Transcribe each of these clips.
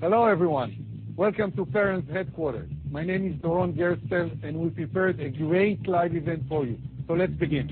Hello, everyone. Welcome to Perion's headquarters. My name is Doron Gerstel, and we prepared a great live event for you. Let's begin.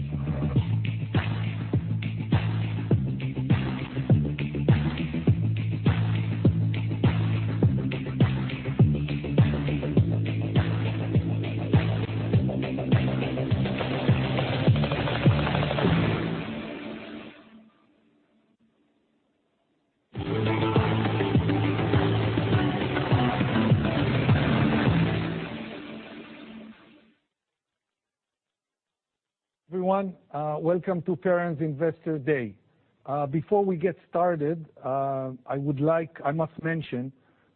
Everyone, welcome to Perion's Investor Day. Before we get started, I must mention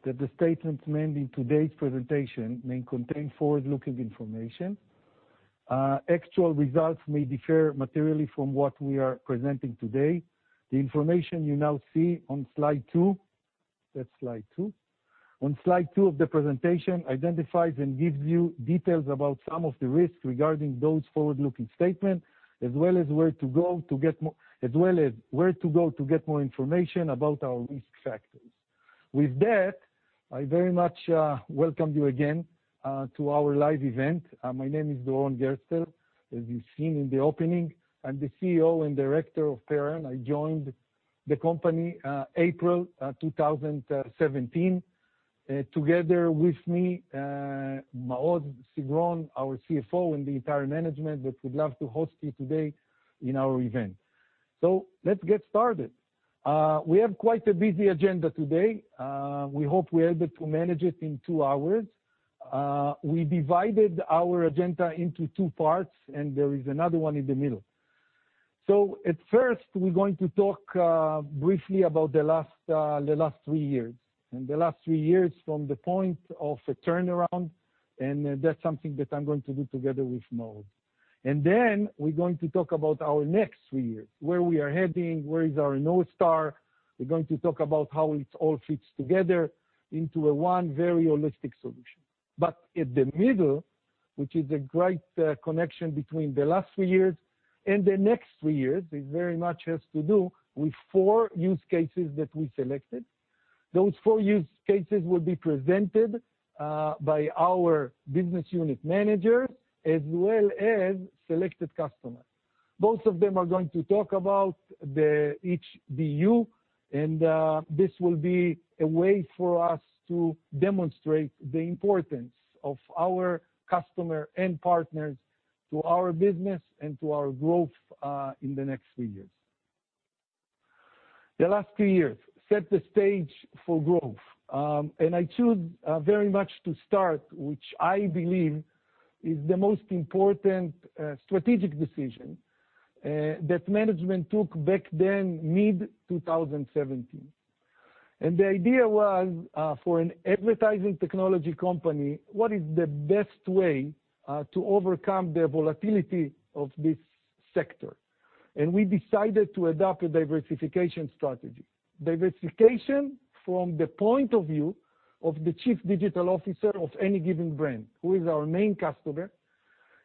that the statements made in today's presentation may contain forward-looking information. Actual results may differ materially from what we are presenting today. The information you now see on slide two, that's slide two. On slide two of the presentation identifies and gives you details about some of the risks regarding those forward-looking statement, as well as where to go to get more information about our risk factors. With that, I very much welcome you again, to our live event. My name is Doron Gerstel, as you've seen in the opening. I'm the CEO and Director of Perion. I joined the company April 2017. Together with me, Maoz Sigron, our CFO, and the entire management that would love to host you today in our event. Let's get started. We have quite a busy agenda today. We hope we're able to manage it in two hours. We divided our agenda into two parts, and there is another one in the middle. At first, we're going to talk briefly about the last three years. The last three years from the point of a turnaround. That's something that I'm going to do together with Maoz. Then we're going to talk about our next three years, where we are heading, where is our North Star. We're going to talk about how it all fits together into a one very holistic solution. At the middle, which is a great connection between the last three years and the next three years, it very much has to do with four use cases that we selected. Those four use cases will be presented by our business unit managers as well as selected customers. Both of them are going to talk about each BU. This will be a way for us to demonstrate the importance of our customer and partners to our business and to our growth, in the next three years. The last three years set the stage for growth. I choose very much to start, which I believe is the most important strategic decision that management took back then mid-2017. The idea was, for an advertising technology company, what is the best way to overcome the volatility of this sector? We decided to adopt a diversification strategy. Diversification from the point of view of the Chief Digital Officer of any given brand, who is our main customer.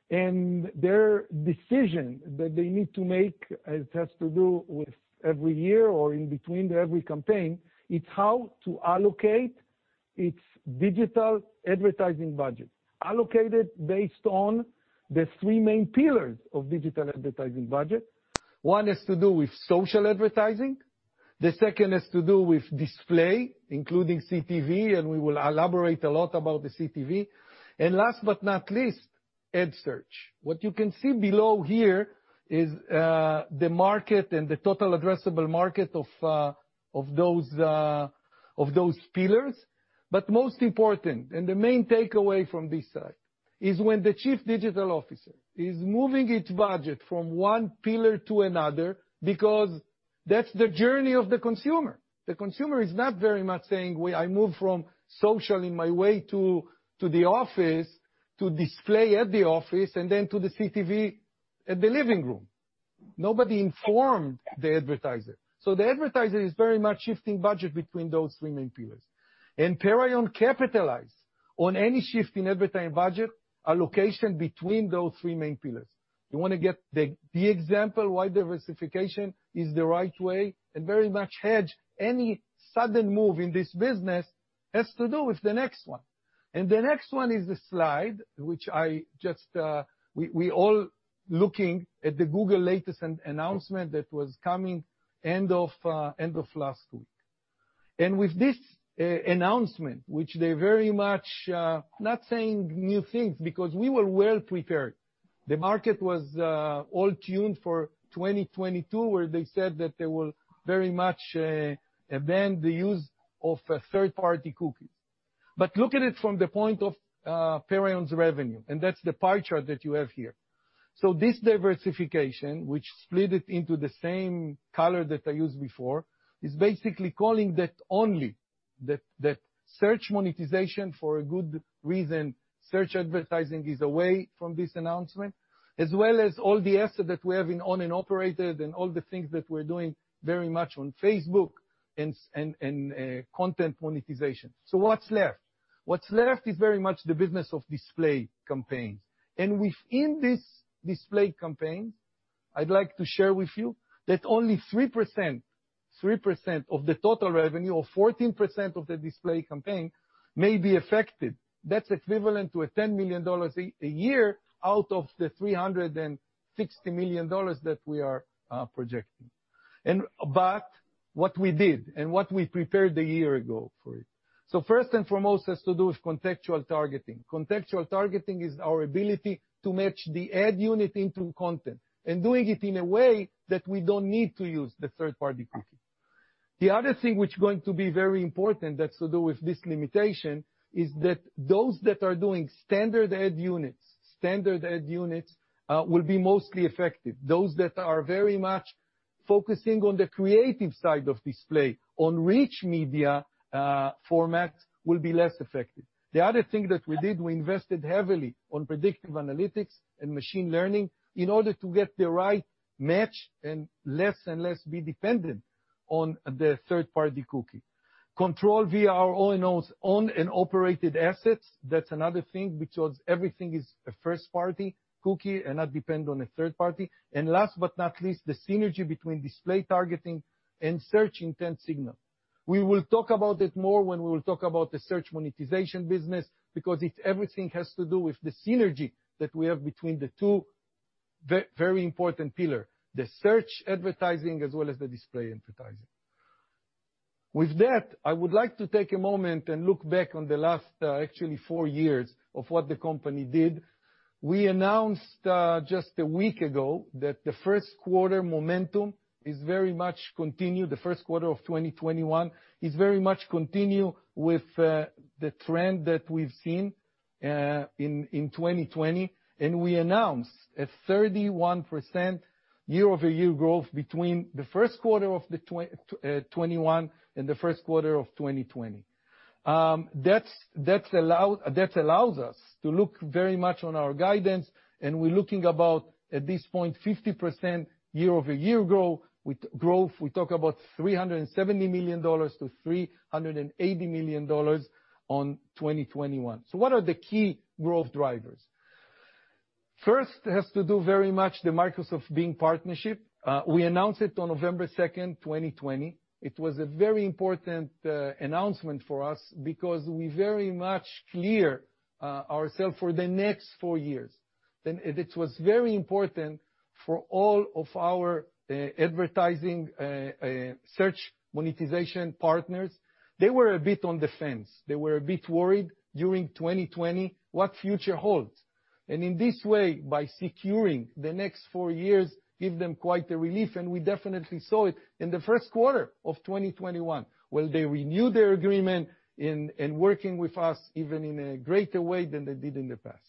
Their decision that they need to make, it has to do with every year or in between every campaign, it's how to allocate its digital advertising budget. Allocate it based on the three main pillars of digital advertising budget. One has to do with social advertising. The second has to do with display, including CTV. We will elaborate a lot about the CTV. Last but not least, ad search. What you can see below here is the market and the total addressable market of those pillars. Most important, the main takeaway from this slide, is when the Chief Digital Officer is moving its budget from one pillar to another, because that's the journey of the consumer. The consumer is not very much saying, "Well, I move from social in my way to the office to display at the office and then to the CTV at the living room." Nobody informed the advertiser. The advertiser is very much shifting budget between those three main pillars. Perion capitalize on any shift in advertising budget allocation between those three main pillars. You want to get the example why diversification is the right way and very much hedge any sudden move in this business has to do with the next one. The next one is the slide, we all looking at the Google latest announcement that was coming end of last week. With this announcement, which they're very much not saying new things because we were well-prepared. The market was all tuned for 2022, where they said that they will very much ban the use of third-party cookies. Look at it from the point of Perion's revenue, and that's the pie chart that you have here. This diversification, which split it into the same color that I used before, is basically calling that only that search monetization for a good reason, search advertising is away from this announcement, as well as all the assets that we have in owned and operated and all the things that we're doing very much on Facebook and content monetization. What's left? What's left is very much the business of display campaigns. Within these display campaigns, I'd like to share with you that only 3% of the total revenue, or 14% of the display campaign may be affected. That's equivalent to a $10 million a year out of the $360 million that we are projecting. What we did and what we prepared a year ago for it. First and foremost has to do with contextual targeting. Contextual targeting is our ability to match the ad unit into content and doing it in a way that we don't need to use the third-party cookie. The other thing which going to be very important that's to do with this limitation is that those that are doing standard ad units will be mostly affected. Those that are very much focusing on the creative side of display, on rich media formats, will be less affected. The other thing that we did, we invested heavily on predictive analytics and machine learning in order to get the right match and less and less be dependent on the third-party cookie. Control via our owned and operated assets. That's another thing, because everything is a first-party cookie and not depend on a third party. Last but not least, the synergy between display targeting and search intent signal. We will talk about it more when we will talk about the search monetization business because everything has to do with the synergy that we have between the two very important pillar, the search advertising as well as the display advertising. With that, I would like to take a moment and look back on the last actually four years of what the company did. We announced just a week ago that the first quarter momentum is very much continued. The first quarter of 2021 is very much continue with the trend that we've seen in 2020. We announced a 31% year-over-year growth between the first quarter of 2021 and the first quarter of 2020. That allows us to look very much on our guidance, and we're looking about, at this point, 50% year-over-year growth. We talk about $370 million-$380 million on 2021. What are the key growth drivers? First has to do very much the Microsoft Bing partnership. We announced it on November 2nd, 2020. It was a very important announcement for us because we very much clear ourself for the next four years. It was very important for all of our advertising search monetization partners. They were a bit on the fence, they were a bit worried during 2020 what future holds. In this way, by securing the next four years, give them quite a relief, and we definitely saw it in the first quarter of 2021, where they renew their agreement in working with us even in a greater way than they did in the past.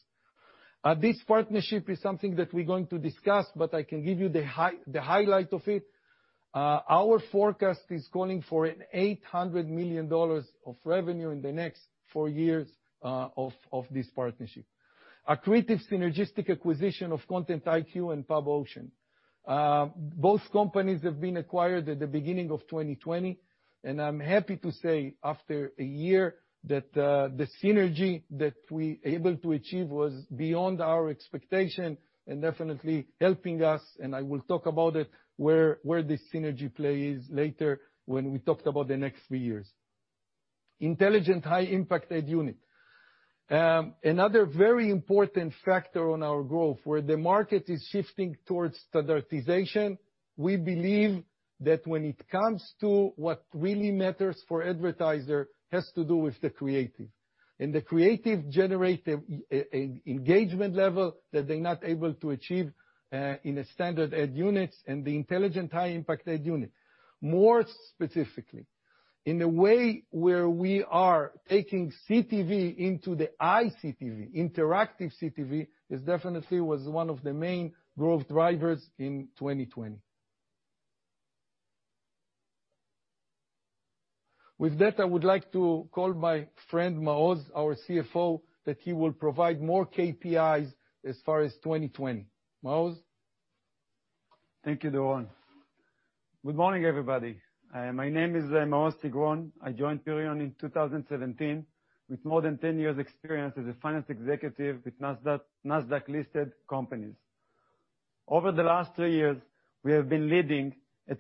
This partnership is something that we're going to discuss, but I can give you the highlight of it. Our forecast is calling for an $800 million of revenue in the next four years of this partnership. Accretive synergistic acquisition of Content IQ and Pub Ocean. Both companies have been acquired at the beginning of 2020, and I'm happy to say after a year that the synergy that we able to achieve was beyond our expectation and definitely helping us, and I will talk about it where this synergy plays later when we talked about the next three years. Intelligent high-impact ad unit. Another very important factor on our growth, where the market is shifting towards standardization. We believe that when it comes to what really matters for advertiser has to do with the creative. The creative generate engagement level that they're not able to achieve in a standard ad unit and the intelligent high-impact ad unit. More specifically, in a way where we are taking CTV into the iCTV, interactive CTV, is definitely was one of the main growth drivers in 2020. With that, I would like to call my friend, Maoz, our CFO, that he will provide more KPIs as far as 2020. Maoz? Thank you, Doron. Good morning, everybody. My name is Maoz Sigron. I joined Perion in 2017 with more than 10 years' experience as a finance executive with Nasdaq-listed companies. Over the last three years, we have been leading a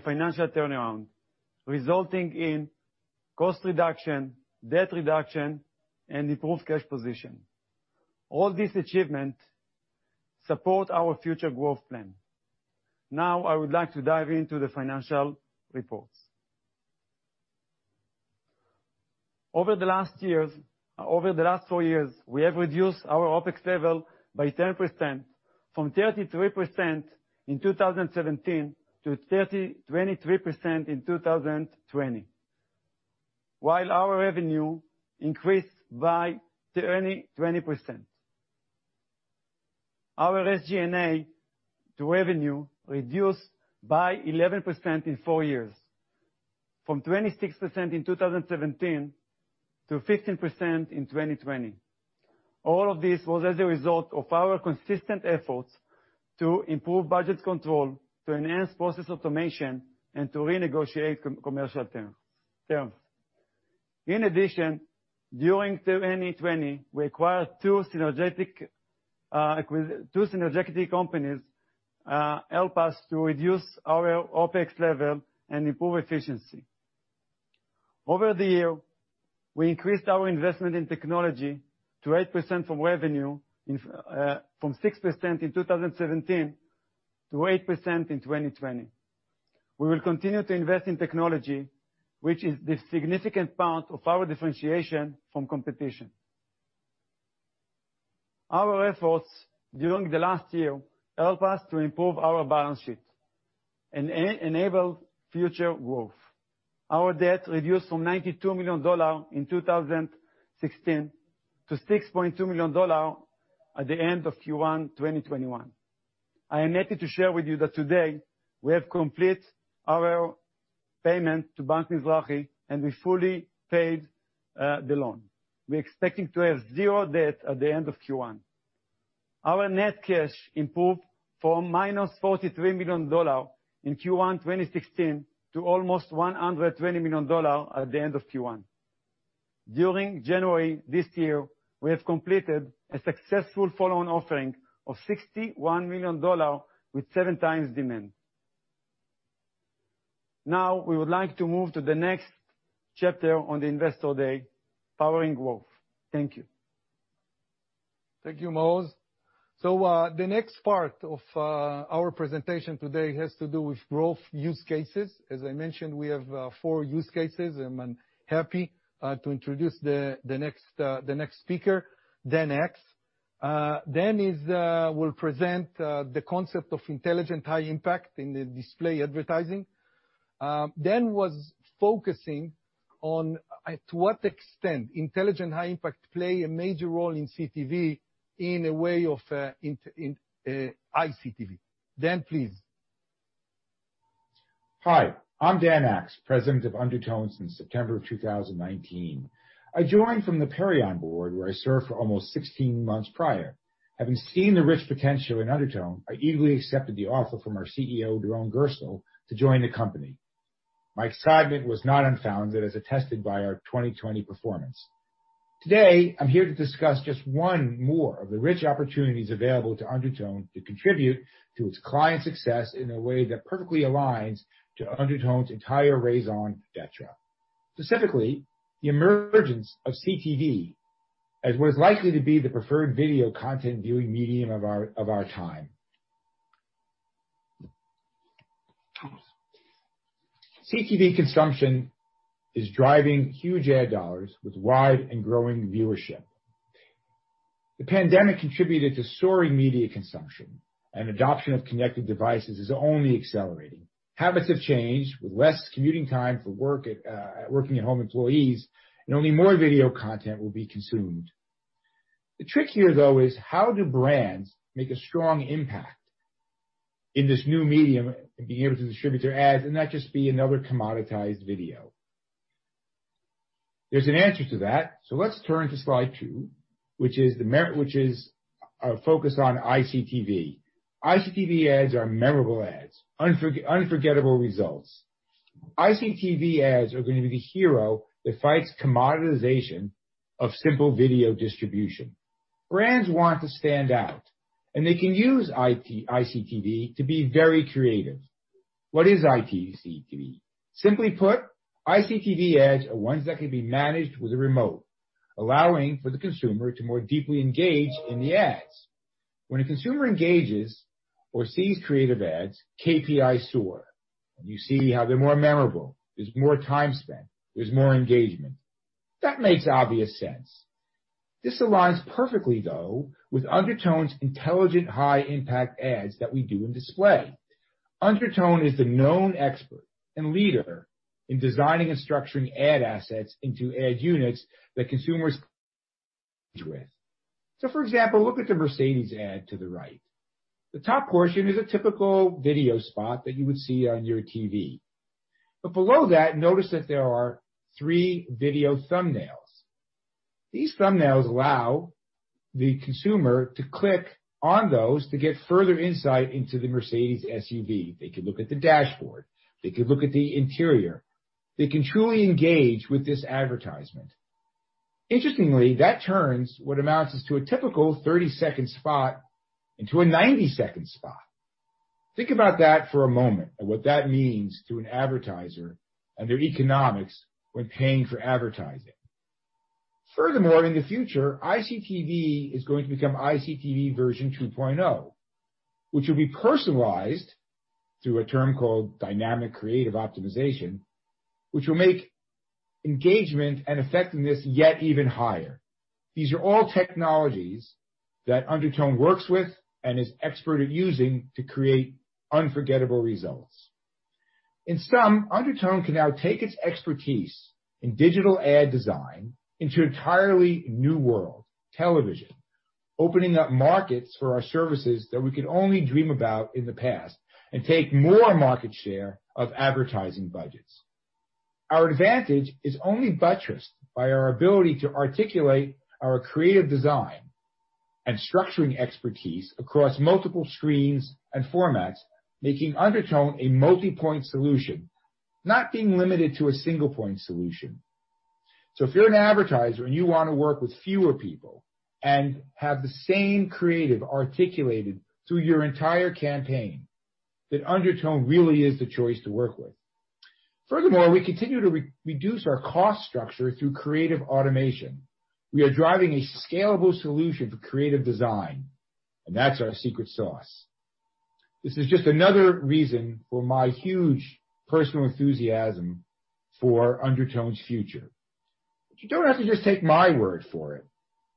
financial turnaround, resulting in cost reduction, debt reduction, and improved cash position. All this achievement support our future growth plan. Now, I would like to dive into the financial reports. Over the last four years, we have reduced our OpEx level by 10%, from 33% in 2017 to 23% in 2020, while our revenue increased by 20%. Our SG&A to revenue reduced by 11% in four years, from 26% in 2017 to 15% in 2020. All of this was as a result of our consistent efforts to improve budget control, to enhance process automation, and to renegotiate commercial terms. In addition, during 2020, we acquired two synergetic companies, help us to reduce our OpEx level and improve efficiency. Over the year, we increased our investment in technology to 8% from revenue, from 6% in 2017 to 8% in 2020. We will continue to invest in technology, which is the significant part of our differentiation from competition. Our efforts during the last year help us to improve our balance sheet and enable future growth. Our debt reduced from $92 million in 2016 to $6.2 million at the end of Q1 2021. I am happy to share with you that today, we have completed our payment to Bank Hapoalim, and we fully paid the loan. We're expecting to have zero debt at the end of Q1. Our net cash improved from -$43 million in Q1 2016 to almost $120 million at the end of Q1. During January this year, we have completed a successful follow-on offering of $61 million with 7x demand. We would like to move to the next chapter on the Investor Day, Powering Growth. Thank you. Thank you, Maoz. The next part of our presentation today has to do with growth use cases. As I mentioned, we have four use cases, and I'm happy to introduce the next speaker, Dan Aks. Dan will present the concept of intelligent high impact in the display advertising. Dan was focusing on to what extent intelligent high impact play a major role in CTV in a way of iCTV. Dan, please. Hi, I'm Dan Aks, President of Undertone since September of 2019. I joined from the Perion board, where I served for almost 16 months prior. Having seen the rich potential in Undertone, I eagerly accepted the offer from our CEO, Doron Gerstel, to join the company. My excitement was not unfounded, as attested by our 2020 performance. Today, I'm here to discuss just one more of the rich opportunities available to Undertone to contribute to its clients' success in a way that perfectly aligns to Undertone's entire raison d'être. Specifically, the emergence of CTV as what is likely to be the preferred video content viewing medium of our time. CTV consumption is driving huge ad dollars with wide and growing viewership. The pandemic contributed to soaring media consumption, and adoption of connected devices is only accelerating. Habits have changed, with less commuting time for working-at-home employees. Only more video content will be consumed. The trick here, though, is how do brands make a strong impact in this new medium and be able to distribute their ads and not just be another commoditized video? There's an answer to that. Let's turn to slide two, which is focused on iCTV. iCTV ads are memorable ads, unforgettable results. iCTV ads are going to be the hero that fights commoditization of simple video distribution. Brands want to stand out, and they can use iCTV to be very creative. What is iCTV? Simply put, iCTV ads are ones that can be managed with a remote, allowing for the consumer to more deeply engage in the ads. When a consumer engages or sees creative ads, KPIs soar, and you see how they're more memorable. There's more time spent, there's more engagement. That makes obvious sense. This aligns perfectly, though, with Undertone's intelligent high impact ads that we do in display. Undertone is the known expert and leader in designing and structuring ad assets into ad units that consumers with. For example, look at the Mercedes ad to the right. The top portion is a typical video spot that you would see on your TV. Below that, notice that there are three video thumbnails. These thumbnails allow the consumer to click on those to get further insight into the Mercedes SUV. They could look at the dashboard. They could look at the interior. They can truly engage with this advertisement. Interestingly, that turns what amounts to a typical 30-second spot into a 90-second spot. Think about that for a moment and what that means to an advertiser and their economics when paying for advertising. Furthermore, in the future, iCTV is going to become iCTV version 2.0, which will be personalized through a term called Dynamic Creative Optimization, which will make engagement and effectiveness yet even higher. These are all technologies that Undertone works with and is expert at using to create unforgettable results. In sum, Undertone can now take its expertise in digital ad design into an entirely new world, television, opening up markets for our services that we could only dream about in the past and take more market share of advertising budgets. Our advantage is only buttressed by our ability to articulate our creative design and structuring expertise across multiple screens and formats, making Undertone a multi-point solution, not being limited to a single-point solution. If you're an advertiser and you want to work with fewer people and have the same creative articulated through your entire campaign, then Undertone really is the choice to work with. Furthermore, we continue to reduce our cost structure through creative automation. We are driving a scalable solution for creative design, and that's our secret sauce. This is just another reason for my huge personal enthusiasm for Undertone's future. You don't have to just take my word for it.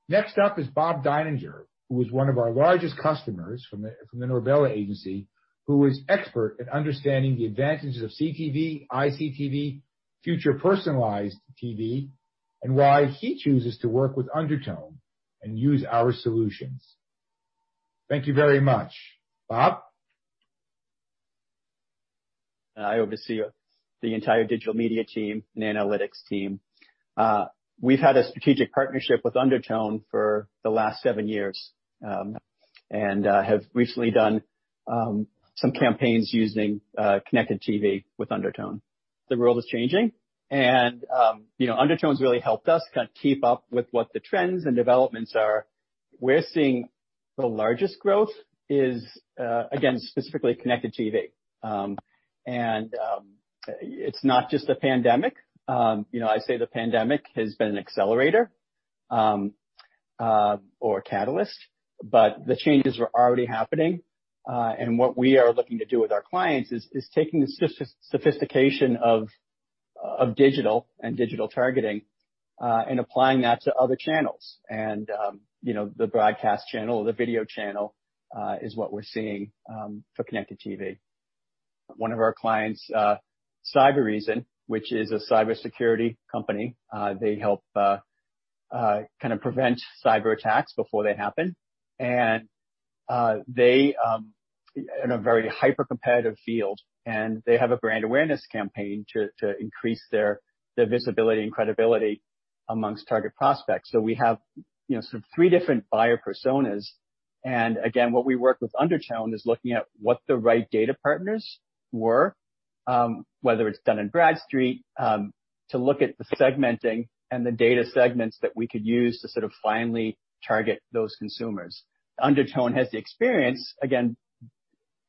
Next up is Bob Deininger, who is one of our largest customers from the Norbella Agency, who is expert at understanding the advantages of CTV, iCTV, future personalized TV, and why he chooses to work with Undertone and use our solutions. Thank you very much. Bob? I oversee the entire digital media team and analytics team. We've had a strategic partnership with Undertone for the last seven years, and have recently done some campaigns using Connected TV with Undertone. The world is changing. Undertone's really helped us keep up with what the trends and developments are. We're seeing the largest growth is, again, specifically Connected TV. It's not just the pandemic. I say the pandemic has been an accelerator, or a catalyst. The changes were already happening. What we are looking to do with our clients is taking the sophistication of digital and digital targeting, and applying that to other channels. The broadcast channel or the video channel is what we're seeing for Connected TV. One of our clients, Cybereason, which is a cybersecurity company, they help prevent cyberattacks before they happen, and they are in a very hyper-competitive field, and they have a brand awareness campaign to increase their visibility and credibility amongst target prospects. We have three different buyer personas, and again, what we work with Undertone is looking at what the right data partners were, whether it's Dun & Bradstreet, to look at the segmenting and the data segments that we could use to finally target those consumers. Undertone has the experience, again,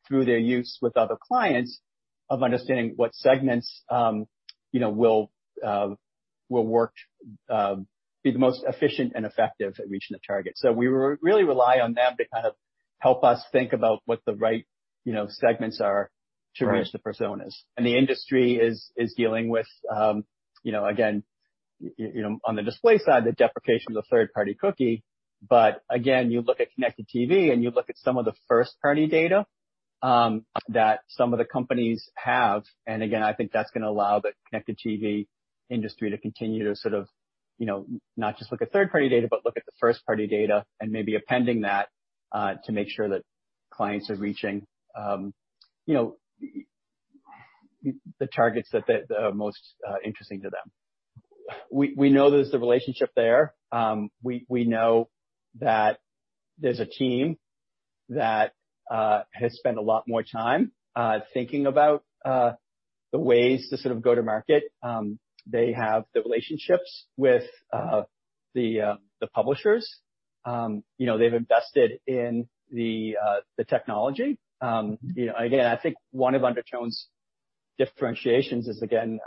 through their use with other clients, of understanding what segments will work, be the most efficient and effective at reaching the target. We really rely on them to help us think about what the right segments are to reach the personas. The industry is dealing with, again, on the display side, the deprecation of the third-party cookie. Again, you look at Connected TV, and you look at some of the first-party data that some of the companies have, again, I think that's going to allow the Connected TV industry to continue to not just look at third-party data, but look at the first-party data and maybe appending that, to make sure that clients are reaching the targets that are most interesting to them. We know there's the relationship there. We know that there's a team that has spent a lot more time thinking about the ways to go to market. They have the relationships with the publishers, they've invested in the technology. I think one of Undertone's differentiations is, again,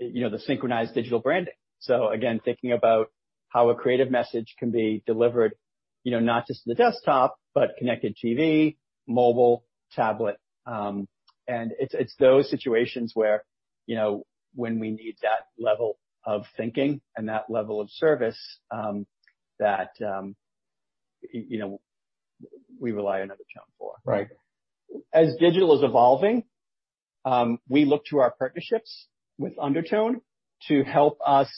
the Synchronized Digital Branding. Again, thinking about how a creative message can be delivered, not just to the desktop, but Connected TV, mobile, tablet. It's those situations where when we need that level of thinking and that level of service, that we rely on Undertone for, right? As digital is evolving, we look to our partnerships with Undertone to help us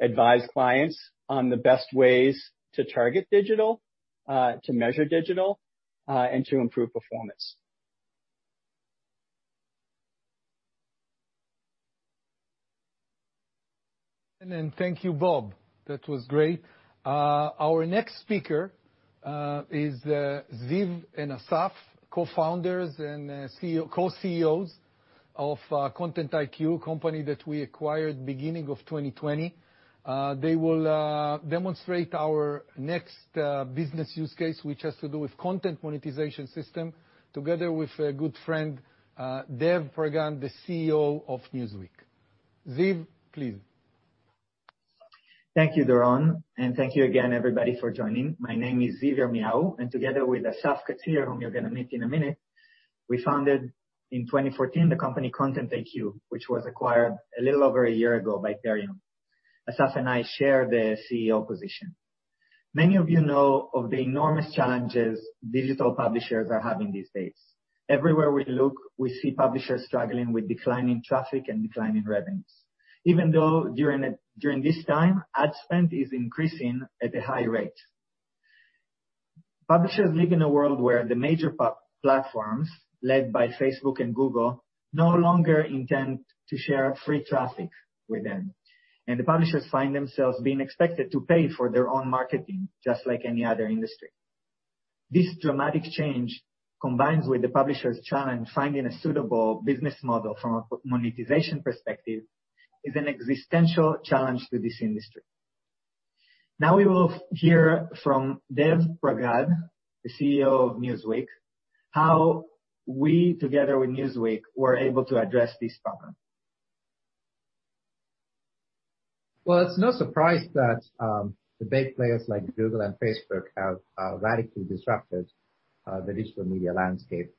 advise clients on the best ways to target digital, to measure digital, and to improve performance. Thank you, Bob. That was great. Our next speaker is Ziv and Asaf, Co-Founders and Co-CEOs of Content IQ, a company that we acquired beginning of 2020. They will demonstrate our next business use case, which has to do with content monetization system together with a good friend, Dev Pragad, the CEO of Newsweek. Ziv, please. Thank you, Doron, and thank you again everybody for joining. My name is Ziv Yirmiyahu, and together with Asaf Katzir, whom you're going to meet in a minute, we founded in 2014 the company Content IQ, which was acquired a little over a year ago by Perion. Asaf and I share the CEO position. Many of you know of the enormous challenges digital publishers are having these days. Everywhere we look, we see publishers struggling with declining traffic and declining revenues. Even though during this time, ad spend is increasing at a high rate. Publishers live in a world where the major platforms, led by Facebook and Google, no longer intend to share free traffic with them, and the publishers find themselves being expected to pay for their own marketing, just like any other industry. This dramatic change, combined with the publishers' challenge finding a suitable business model from a monetization perspective, is an existential challenge to this industry. We will hear from Dev Pragad, the CEO of Newsweek, how we, together with Newsweek, were able to address this problem. Well, it's no surprise that the big players like Google and Facebook have radically disrupted the digital media landscape.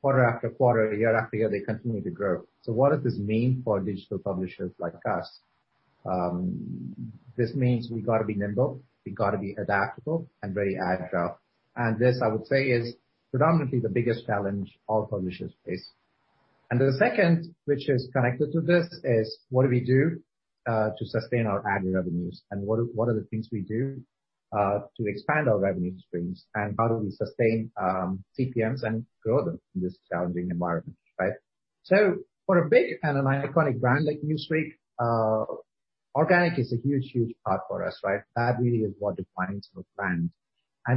Quarter after quarter, year after year, they continue to grow. What does this mean for digital publishers like us? This means we got to be nimble, we got to be adaptable and very agile. This, I would say, is predominantly the biggest challenge all publishers face. The second, which is connected to this, is what do we do to sustain our ad revenues and what are the things we do to expand our revenue streams, and how do we sustain CPMs and grow them in this challenging environment? For a big and an iconic brand like Newsweek, organic is a huge part for us, right? That really is what defines our brand.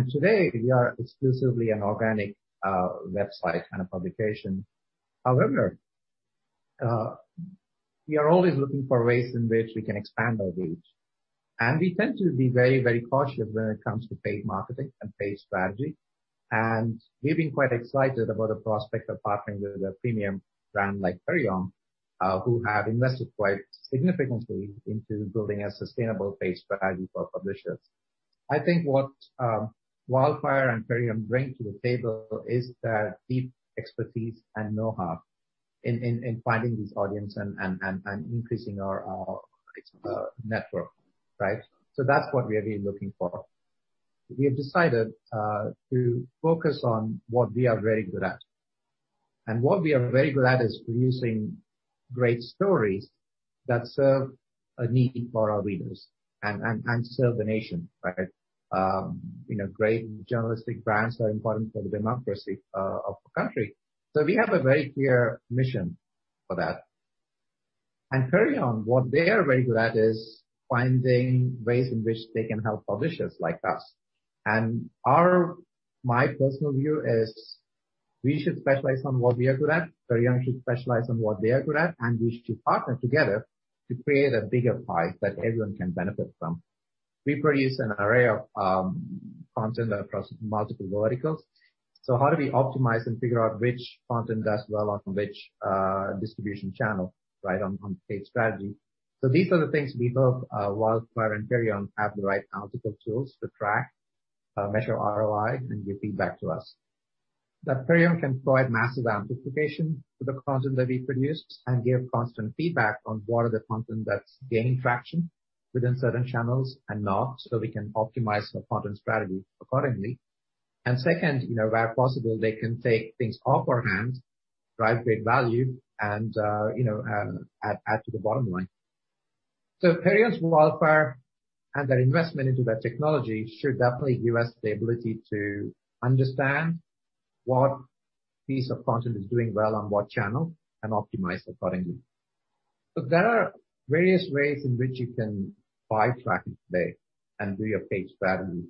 Today, we are exclusively an organic website kind of publication. However, we are always looking for ways in which we can expand our reach. We tend to be very cautious when it comes to paid marketing and paid strategy. We've been quite excited about the prospect of partnering with a premium brand like Perion, who have invested quite significantly into building a sustainable paid strategy for publishers. I think what Wildfire and Perion bring to the table is that deep expertise and know-how in finding this audience and increasing our network. That's what we have been looking for. We have decided to focus on what we are very good at. What we are very good at is producing great stories that serve a need for our readers and serve the nation, right? Great journalistic brands are important for the democracy of a country. We have a very clear mission for that. Perion, what they are very good at is finding ways in which they can help publishers like us. My personal view is we should specialize on what we are good at, Perion should specialize on what they are good at, and we should partner together to create a bigger pie that everyone can benefit from. We produce an array of content across multiple verticals. How do we optimize and figure out which content does well on which distribution channel, on paid strategy? These are the things we hope Wildfire and Perion have the right analytical tools to track, measure ROI, and give feedback to us. That Perion can provide massive amplification to the content that we produce and give constant feedback on what are the content that's gaining traction within certain channels and not, so we can optimize the content strategy accordingly. Second, where possible, they can take things off our hands, drive great value, and add to the bottom line. Perion's Wildfire and their investment into that technology should definitely give us the ability to understand what piece of content is doing well on what channel and optimize accordingly. There are various ways in which you can buy traffic today and do your paid strategy.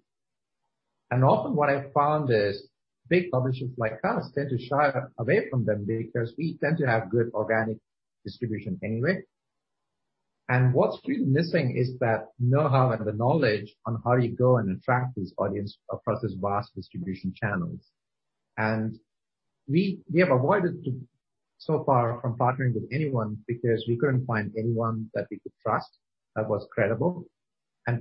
Often what I found is big publishers like us tend to shy away from them because we tend to have good organic distribution anyway. What's been missing is that know-how and the knowledge on how you go and attract this audience across this vast distribution channels. We have avoided so far from partnering with anyone because we couldn't find anyone that we could trust that was credible.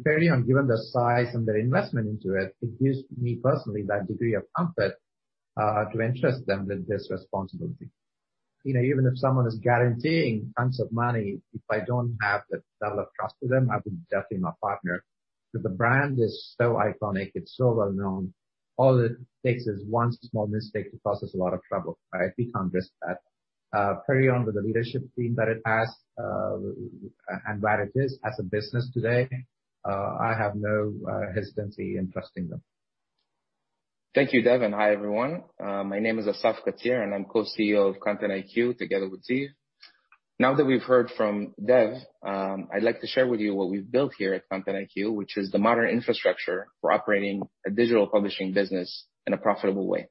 Perion, given their size and their investment into it gives me personally that degree of comfort to entrust them with this responsibility. Even if someone is guaranteeing tons of money, if I don't have the level of trust with them, I wouldn't definitely not partner, because the brand is so iconic, it's so well-known. All it takes is one small mistake to cause us a lot of trouble. We can't risk that. Perion, with the leadership team that it has, and where it is as a business today, I have no hesitancy in trusting them. Thank you, Dev. Hi, everyone. My name is Asaf Katzir, and I'm Co-CEO of Content IQ together with Ziv. Now that we've heard from Dev, I'd like to share with you what we've built here at Content IQ, which is the modern infrastructure for operating a digital publishing business in a profitable way.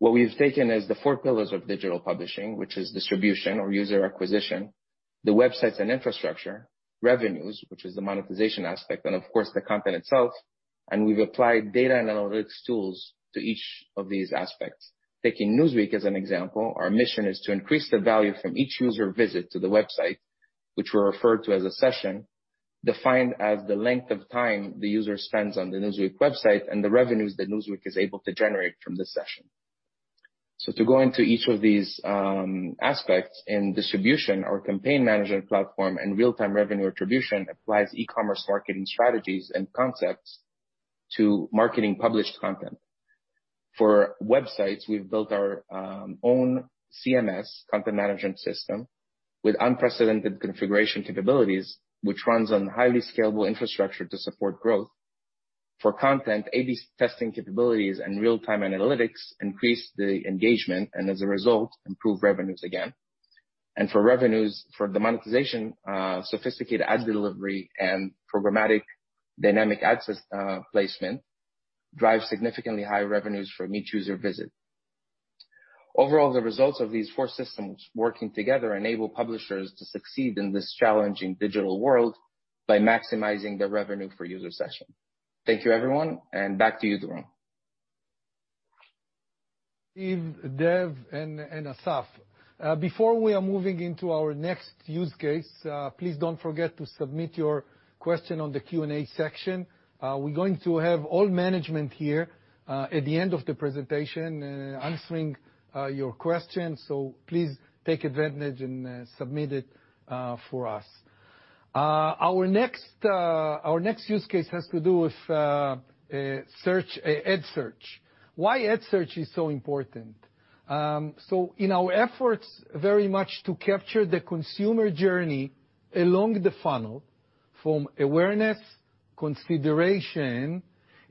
What we've taken is the four pillars of digital publishing, which is distribution or user acquisition, the websites and infrastructure, revenues, which is the monetization aspect, and of course, the content itself, and we've applied data and analytics tools to each of these aspects. Taking Newsweek as an example, our mission is to increase the value from each user visit to the website, which we refer to as a session, defined as the length of time the user spends on the Newsweek website and the revenues that Newsweek is able to generate from this session. To go into each of these aspects in distribution, our campaign management platform and real-time revenue attribution applies e-commerce marketing strategies and concepts to marketing published content. For websites, we've built our own CMS, Content Management System, with unprecedented configuration capabilities, which runs on highly scalable infrastructure to support growth. For content, A/B testing capabilities and real-time analytics increase the engagement, and as a result, improve revenues again. For revenues, for the monetization, sophisticated ad delivery and programmatic dynamic ad placement drive significantly higher revenues for each user visit. Overall, the results of these four systems working together enable publishers to succeed in this challenging digital world by maximizing the revenue for user session. Thank you, everyone, and back to you, Doron. Ziv, Dev, and Asaf. Before we are moving into our next use case, please don't forget to submit your question on the Q&A section. We're going to have all management here, at the end of the presentation, answering your questions. Please take advantage and submit it for us. Our next use case has to do with ad search. Why ad search is so important? In our efforts very much to capture the consumer journey along the funnel, from awareness, consideration,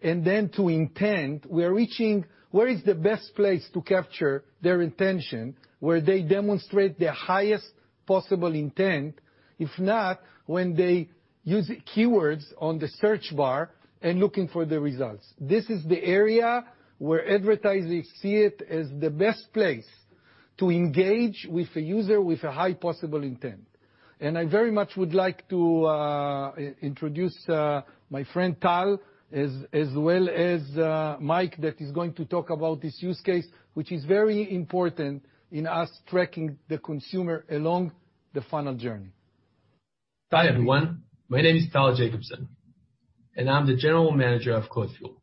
and then to intent, we are reaching where is the best place to capture their intention, where they demonstrate their highest possible intent, if not when they use keywords on the search bar and looking for the results. This is the area where advertisers see it as the best place to engage with a user with a high possible intent. I very much would like to introduce my friend Tal, as well as Mike, that is going to talk about this use case, which is very important in us tracking the consumer along the funnel journey. Hi, everyone. My name is Tal Jacobson, and I'm the General Manager of CodeFuel,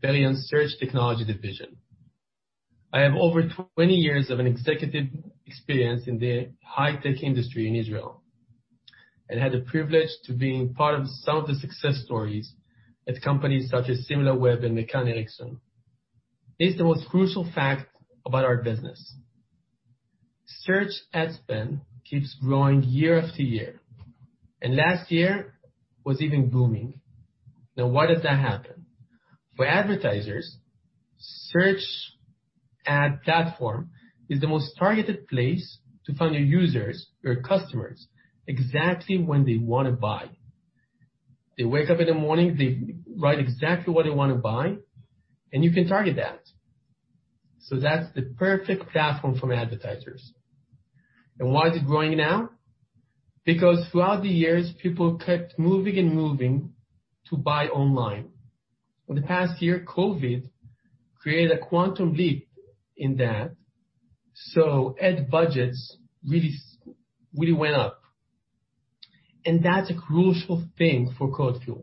Perion's search technology division. I have over 20 years of executive experience in the high-tech industry in Israel, and had the privilege to be part of some of the success stories at companies such as Similarweb and McCann Erickson. Here's the most crucial fact about our business. Search ad spend keeps growing year after year, and last year was even booming. Why does that happen? For advertisers, search ad platform is the most targeted place to find your users, your customers, exactly when they want to buy. They wake up in the morning, they write exactly what they want to buy, and you can target that. That's the perfect platform for advertisers. Why is it growing now? Because throughout the years, people kept moving to buy online. In the past year, COVID created a quantum leap in that, so ad budgets really went up. That's a crucial thing for CodeFuel.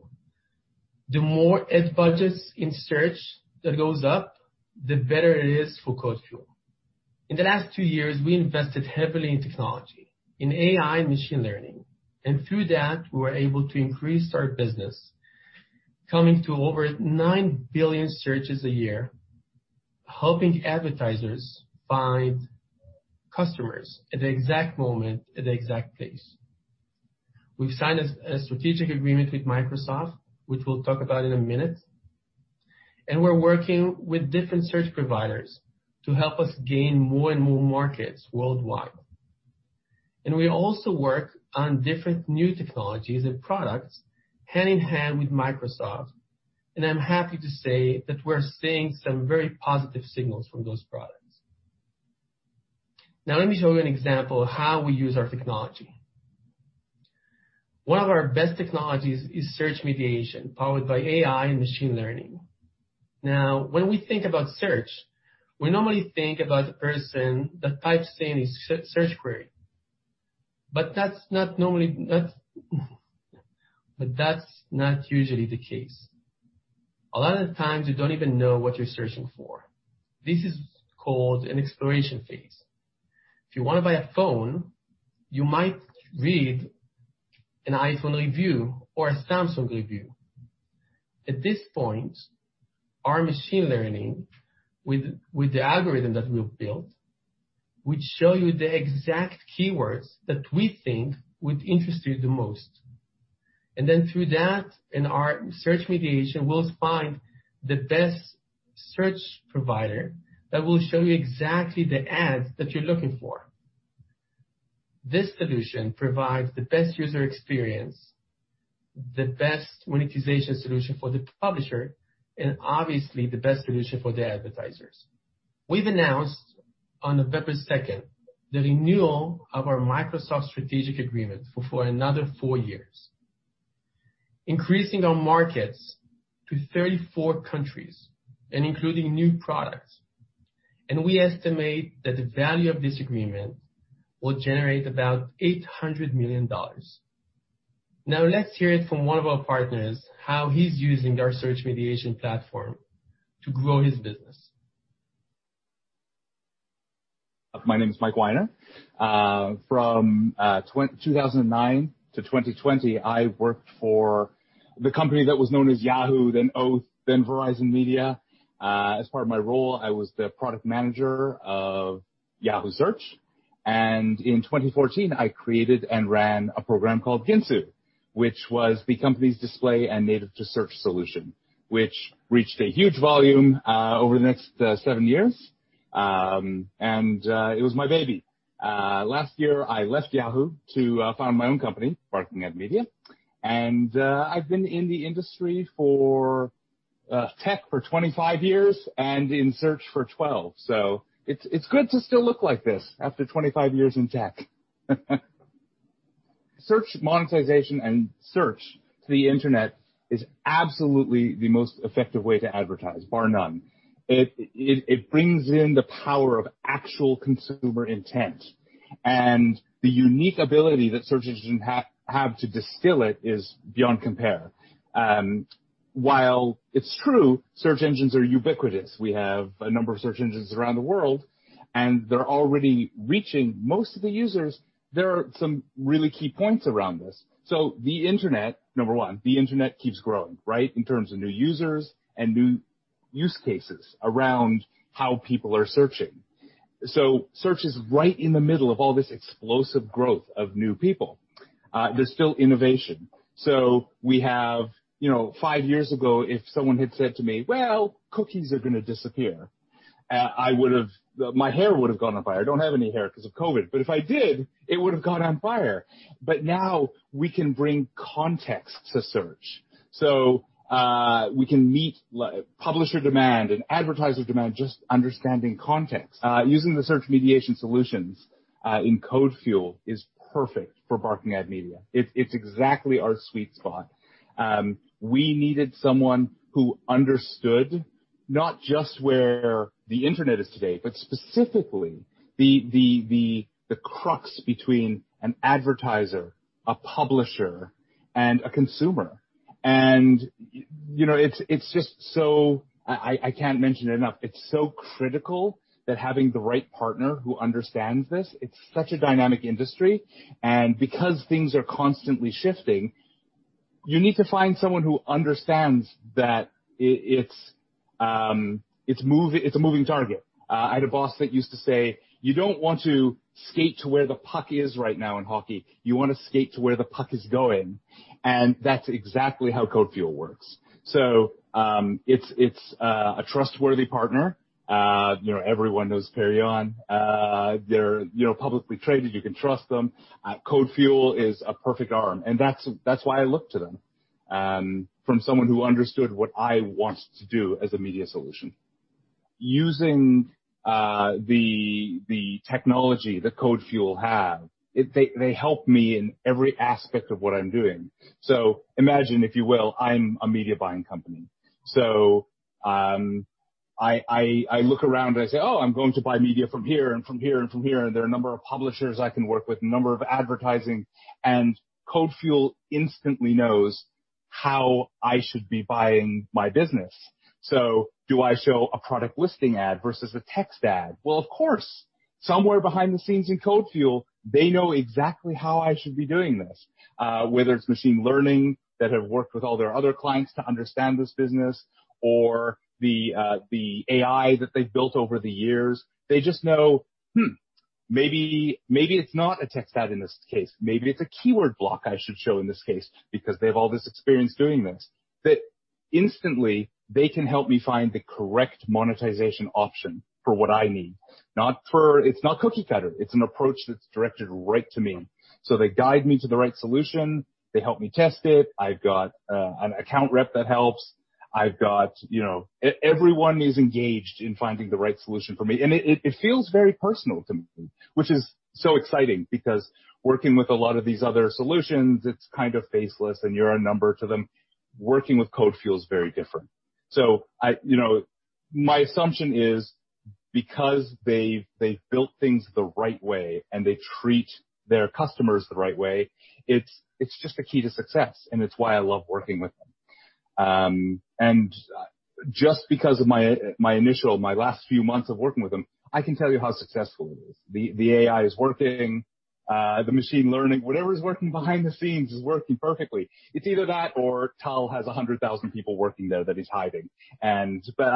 The more ad budgets in search that goes up, the better it is for CodeFuel. In the last two years, we invested heavily in technology, in AI machine learning, and through that, we were able to increase our business, coming to over 9 billion searches a year, helping advertisers find customers at the exact moment at the exact place. We've signed a strategic agreement with Microsoft, which we'll talk about in a minute. We're working with different search providers to help us gain more and more markets worldwide. We also work on different new technologies and products hand-in-hand with Microsoft, and I'm happy to say that we're seeing some very positive signals from those products. Let me show you an example of how we use our technology. One of our best technologies is search mediation, powered by AI and machine learning. When we think about search, we normally think about the person that types in a search query. That's not usually the case. A lot of the times you don't even know what you're searching for. This is called an exploration phase. If you want to buy a phone, you might read an iPhone review or a Samsung review. At this point, our machine learning with the algorithm that we've built, will show you the exact keywords that we think would interest you the most. Through that, in our search mediation, we'll find the best search provider that will show you exactly the ads that you're looking for. This solution provides the best user experience, the best monetization solution for the publisher, and obviously the best solution for the advertisers. We've announced on November second the renewal of our Microsoft strategic agreement for another four years, increasing our markets to 34 countries and including new products. We estimate that the value of this agreement will generate about $800 million. Let's hear it from one of our partners how he's using our search mediation platform to grow his business. My name is Mike Wyner. From 2009 to 2020, I worked for the company that was known as Yahoo, then Oath Inc., then Verizon Media. As part of my role, I was the product manager of Yahoo Search. In 2014, I created and ran a program called GINSU, which was the company's display and native-to-search solution, which reached a huge volume over the next seven years, and it was my baby. Last year, I left Yahoo to found my own company, Barking Ad Media. I've been in the industry for tech for 25 years and in search for 12. It's good to still look like this after 25 years in tech. Search monetization and search to the internet is absolutely the most effective way to advertise, bar none. It brings in the power of actual consumer intent, and the unique ability that search engines have to distill it is beyond compare. While it's true search engines are ubiquitous, we have a number of search engines around the world, and they're already reaching most of the users. There are some really key points around this. The internet, number one, the internet keeps growing, right, in terms of new users and new use cases around how people are searching. Search is right in the middle of all this explosive growth of new people. There's still innovation. We have, five years ago, if someone had said to me, "Well, cookies are going to disappear," my hair would've gone on fire. I don't have any hair because of COVID, but if I did, it would've gone on fire. Now we can bring context to search. We can meet publisher demand and advertiser demand just understanding context. Using the search mediation solutions in CodeFuel is perfect for Barking Ad Media. It's exactly our sweet spot. We needed someone who understood not just where the internet is today, but specifically the crux between an advertiser, a publisher, and a consumer. It's just I can't mention it enough. It's so critical that having the right partner who understands this, it's such a dynamic industry, and because things are constantly shifting, you need to find someone who understands that it's a moving target. I had a boss that used to say, "You don't want to skate to where the puck is right now in hockey. You want to skate to where the puck is going." That's exactly how CodeFuel works, it's a trustworthy partner. Everyone knows Perion. They're publicly traded. You can trust them. CodeFuel is a perfect arm, and that's why I look to them, from someone who understood what I want to do as a media solution. Using the technology that CodeFuel have, they help me in every aspect of what I'm doing. Imagine, if you will, I'm a media buying company. I look around and I say, "Oh, I'm going to buy media from here and from here and from here." There are a number of publishers I can work with, a number of advertising, and CodeFuel instantly knows how I should be buying my business. Do I show a product listing ad versus a text ad? Well, of course, somewhere behind the scenes in CodeFuel, they know exactly how I should be doing this. Whether it's machine learning that have worked with all their other clients to understand this business or the AI that they've built over the years, they just know, hmm, maybe it's not a text ad in this case. Maybe it's a keyword block I should show in this case because they have all this experience doing this. That instantly they can help me find the correct monetization option for what I need. It's not cookie-cutter. It's an approach that's directed right to me. They guide me to the right solution. They help me test it. I've got an account rep that helps. Everyone is engaged in finding the right solution for me. It feels very personal to me, which is so exciting because working with a lot of these other solutions, it's kind of faceless, and you're a number to them. Working with CodeFuel is very different. My assumption is because they've built things the right way and they treat their customers the right way, it's just the key to success, and it's why I love working with them. Just because of my initial, my last few months of working with them, I can tell you how successful it is. The AI is working. The machine learning, whatever is working behind the scenes is working perfectly. It's either that or Tal has 100,000 people working there that he's hiding. I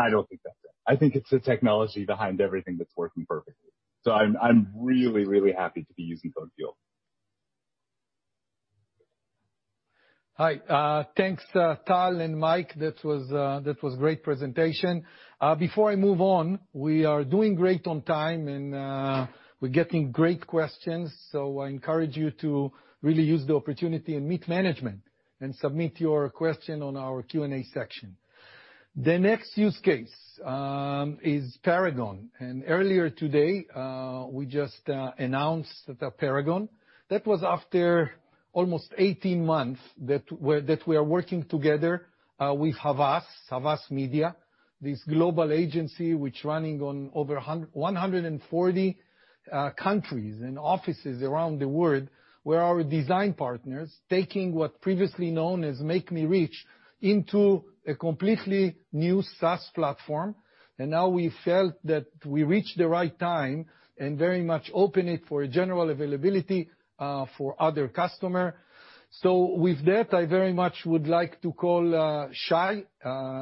don't think that's it. I think it's the technology behind everything that's working perfectly. I'm really, really happy to be using CodeFuel. Hi. Thanks, Tal and Mike. That was a great presentation. Before I move on, we are doing great on time, and we're getting great questions. I encourage you to really use the opportunity and meet management and submit your question on our Q&A section. The next use case is Paragone.ai. Earlier today, we just announced Paragone. That was after almost 18 months that we are working together with Havas Media. This global agency, which running on over 140 countries and offices around the world, where our design partners taking what previously known as MakeMeReach into a completely new SaaS platform. Now we felt that we reached the right time and very much open it for general availability for other customer. With that, I very much would like to call Shai.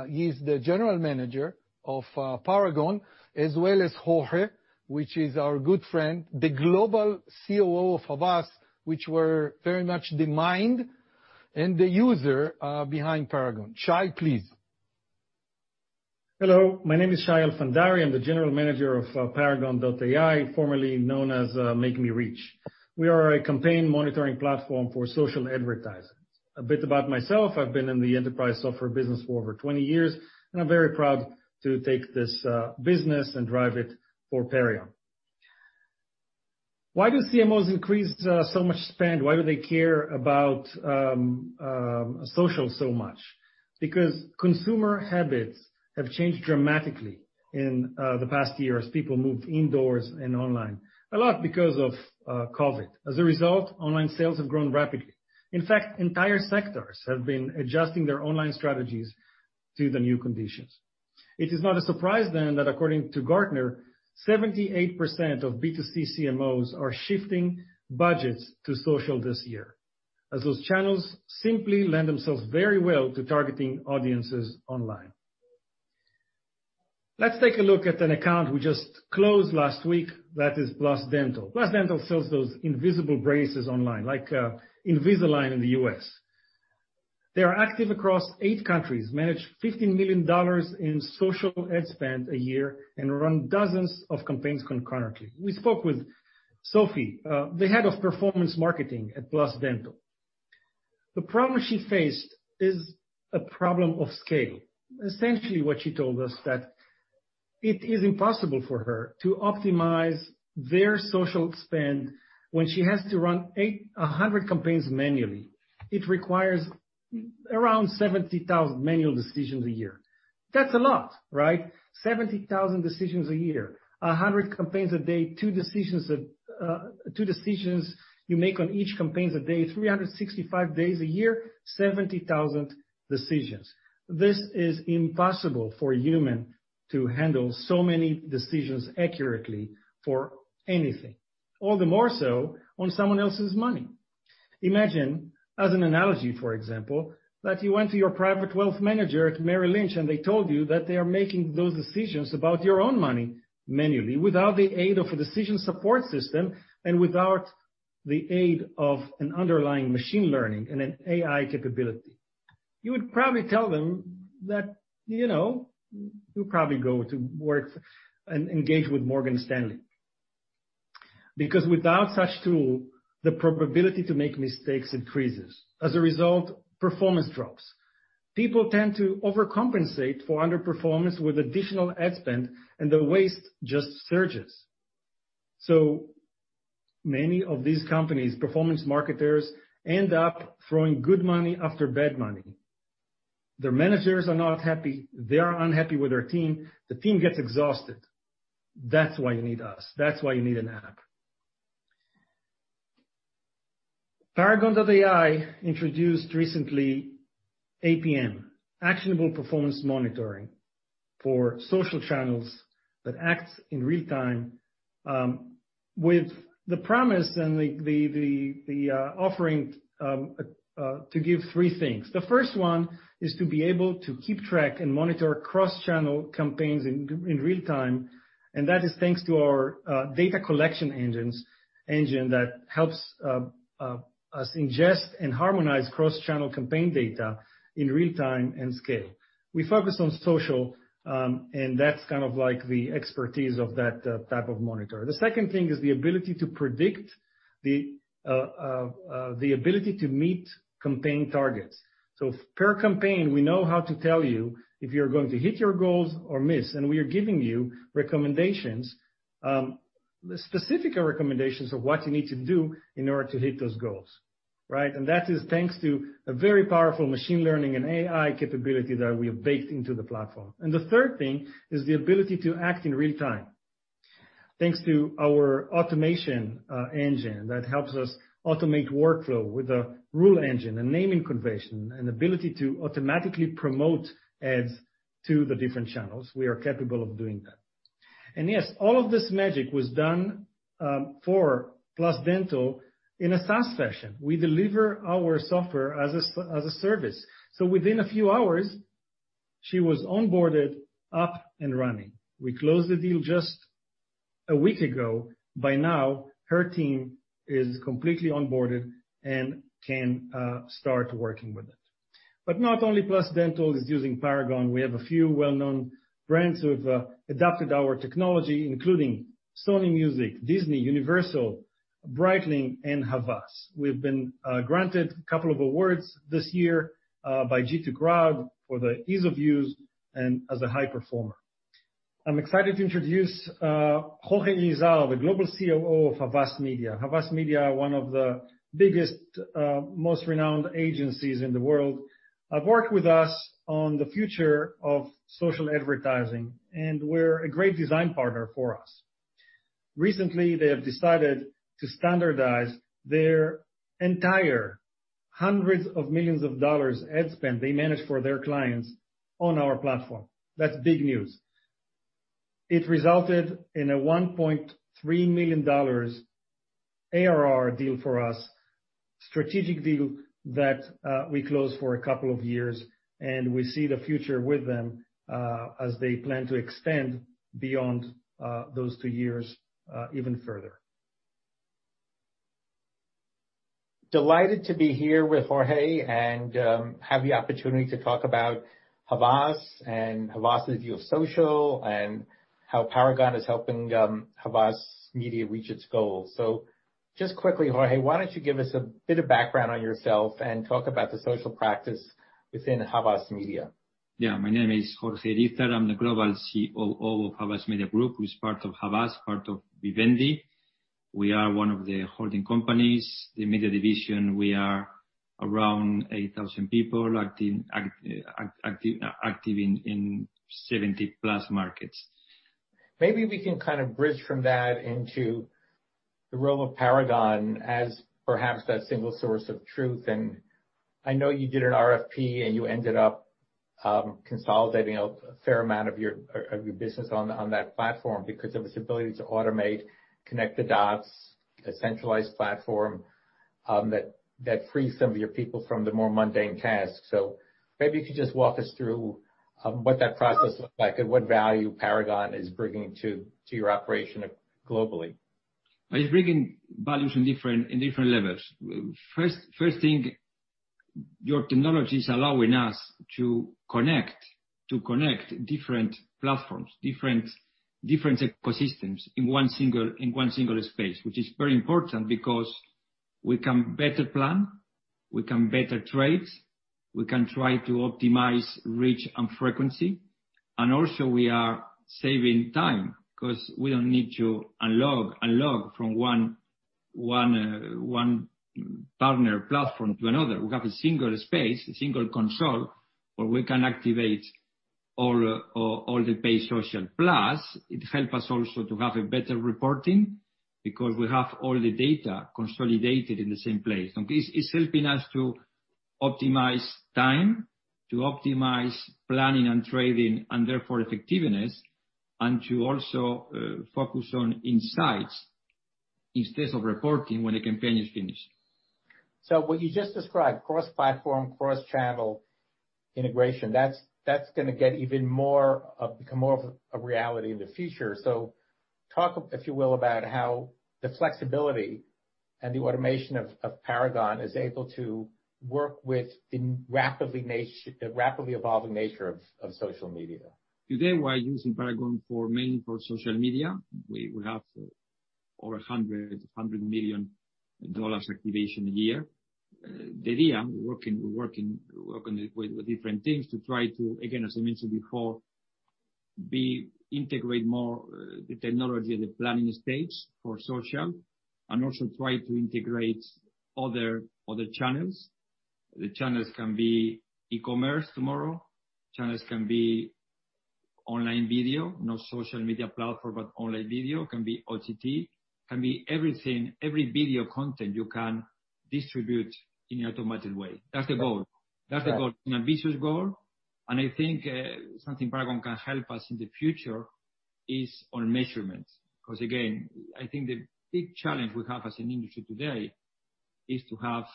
He's the General Manager of Paragone, as well as Jorge, which is our good friend, the Global COO of Havas, which were very much the mind and the user behind Paragone. Shai, please. Hello. My name is Shai Alfandary. I'm the General Manager of Paragone.ai, formerly known as MakeMeReach. We are a campaign monitoring platform for social advertising. A bit about myself, I've been in the enterprise software business for over 20 years, and I'm very proud to take this business and drive it for Perion. Why do CMOs increase so much spend? Why do they care about social so much? Consumer habits have changed dramatically in the past year as people moved indoors and online, a lot because of COVID. As a result, online sales have grown rapidly. In fact, entire sectors have been adjusting their online strategies to the new conditions. It is not a surprise then that according to Gartner, 78% of B2C CMOs are shifting budgets to social this year, as those channels simply lend themselves very well to targeting audiences online. Let's take a look at an account we just closed last week, that is PlusDental. PlusDental sells those invisible braces online, like Invisalign in the U.S. They are active across eight countries, manage $15 million in social ad spend a year, and run dozens of campaigns concurrently. We spoke with Sophie, the Head of Performance Marketing at PlusDental. The problem she faced is a problem of scale. Essentially what she told us, that it is impossible for her to optimize their social spend when she has to run 100 campaigns manually. It requires around 70,000 manual decisions a year. That's a lot, right? 70,000 decisions a year, 100 campaigns a day, two decisions you make on each campaigns a day, 365 days a year, 70,000 decisions. This is impossible for a human to handle so many decisions accurately for anything. All the more so on someone else's money. Imagine, as an analogy, for example, that you went to your private wealth manager at Merrill Lynch, and they told you that they are making those decisions about your own money manually without the aid of a decision support system and without the aid of an underlying machine learning and an AI capability. You would probably tell them that you'd probably go to work and engage with Morgan Stanley. Without such tool, the probability to make mistakes increases. As a result, performance drops. People tend to overcompensate for underperformance with additional ad spend, and the waste just surges. Many of these companies, performance marketers, end up throwing good money after bad money. Their managers are not happy. They are unhappy with their team. The team gets exhausted. That's why you need us. That's why you need an app. Paragone.ai introduced recently APM, Actionable Performance Monitoring, for social channels that acts in real-time with the promise and the offering to give three things. The first one is to be able to keep track and monitor cross-channel campaigns in real-time. That is thanks to our data collection engine that helps us ingest and harmonize cross-channel campaign data in real-time and scale. We focus on social, and that is like the expertise of that type of monitor. The second thing is the ability to predict the ability to meet campaign targets. Per campaign, we know how to tell you if you are going to hit your goals or miss. We are giving you recommendations, specific recommendations of what you need to do in order to hit those goals. Right? That is thanks to a very powerful machine learning and AI capability that we have baked into the platform. The third thing is the ability to act in real-time. Thanks to our automation engine that helps us automate workflow with a rule engine, a naming convention, an ability to automatically promote ads to the different channels. We are capable of doing that. Yes, all of this magic was done for PlusDental in a SaaS session. We deliver our software as a service. Within a few hours, she was onboarded, up, and running. We closed the deal just a week ago. By now, her team is completely onboarded and can start working with it. Not only PlusDental is using Paragone. We have a few well-known brands who have adapted our technology, including Sony Music, Disney, Universal, Breitling, and Havas. We've been granted a couple of awards this year by G2 Crowd for the ease of use and as a high performer. I'm excited to introduce Jorge Irizar, the Global COO of Havas Media. Havas Media are one of the biggest, most renowned agencies in the world have worked with us on the future of social advertising and were a great design partner for us. Recently, they have decided to standardize their entire hundreds of millions of dollars ad spend they manage for their clients on our platform. That's big news. It resulted in a $1.3 million ARR deal for us, strategic deal that we closed for a couple of years, and we see the future with them, as they plan to extend beyond those two years, even further. Delighted to be here with Jorge and have the opportunity to talk about Havas and Havas' view of social and how Paragone.ai is helping Havas Media reach its goals. Just quickly, Jorge, why don't you give us a bit of background on yourself and talk about the social practice within Havas Media? Yeah. My name is Jorge Irizar. I'm the Global COO of Havas Media Group, who's part of Havas, part of Vivendi. We are one of the holding companies. The media division, we are around 8,000 people active in 70+ markets. Maybe we can kind of bridge from that into the role of Paragone as perhaps that single source of truth. I know you did an RFP, and you ended up consolidating a fair amount of your business on that platform because of its ability to automate, connect the dots, a centralized platform, that freed some of your people from the more mundane tasks. Maybe you could just walk us through what that process looked like and what value Paragone is bringing to your operation globally. It's bringing values in different levels. First thing, your technology is allowing us to connect different platforms, different ecosystems in one single space, which is very important because we can better plan, we can better trade, we can try to optimize reach and frequency. Also we are saving time because we don't need to unlog from one partner platform to another. We have a single space, a single control where we can activate all the paid social. It help us also to have a better reporting because we have all the data consolidated in the same place. It's helping us to optimize time, to optimize planning and trading and therefore effectiveness, and to also focus on insights instead of reporting when the campaign is finished. What you just described, cross-platform, cross-channel integration, that's going to become more of a reality in the future. Talk, if you will, about how the flexibility and the automation of Paragone is able to work with the rapidly evolving nature of social media. Today, we are using Paragone for mainly for social media. We have over $100 million activation a year. The idea, we're working with different teams to try to, again, as I mentioned before, integrate more the technology at the planning stage for social and also try to integrate other channels. The channels can be e-commerce tomorrow, channels can be online video, no social media platform, but online video. Can be OTT, can be everything, every video content you can distribute in an automatic way. That's the goal. Yeah. That's the goal, an ambitious goal. I think something Paragone can help us in the future is on measurements. Again, I think the big challenge we have as an industry today is to have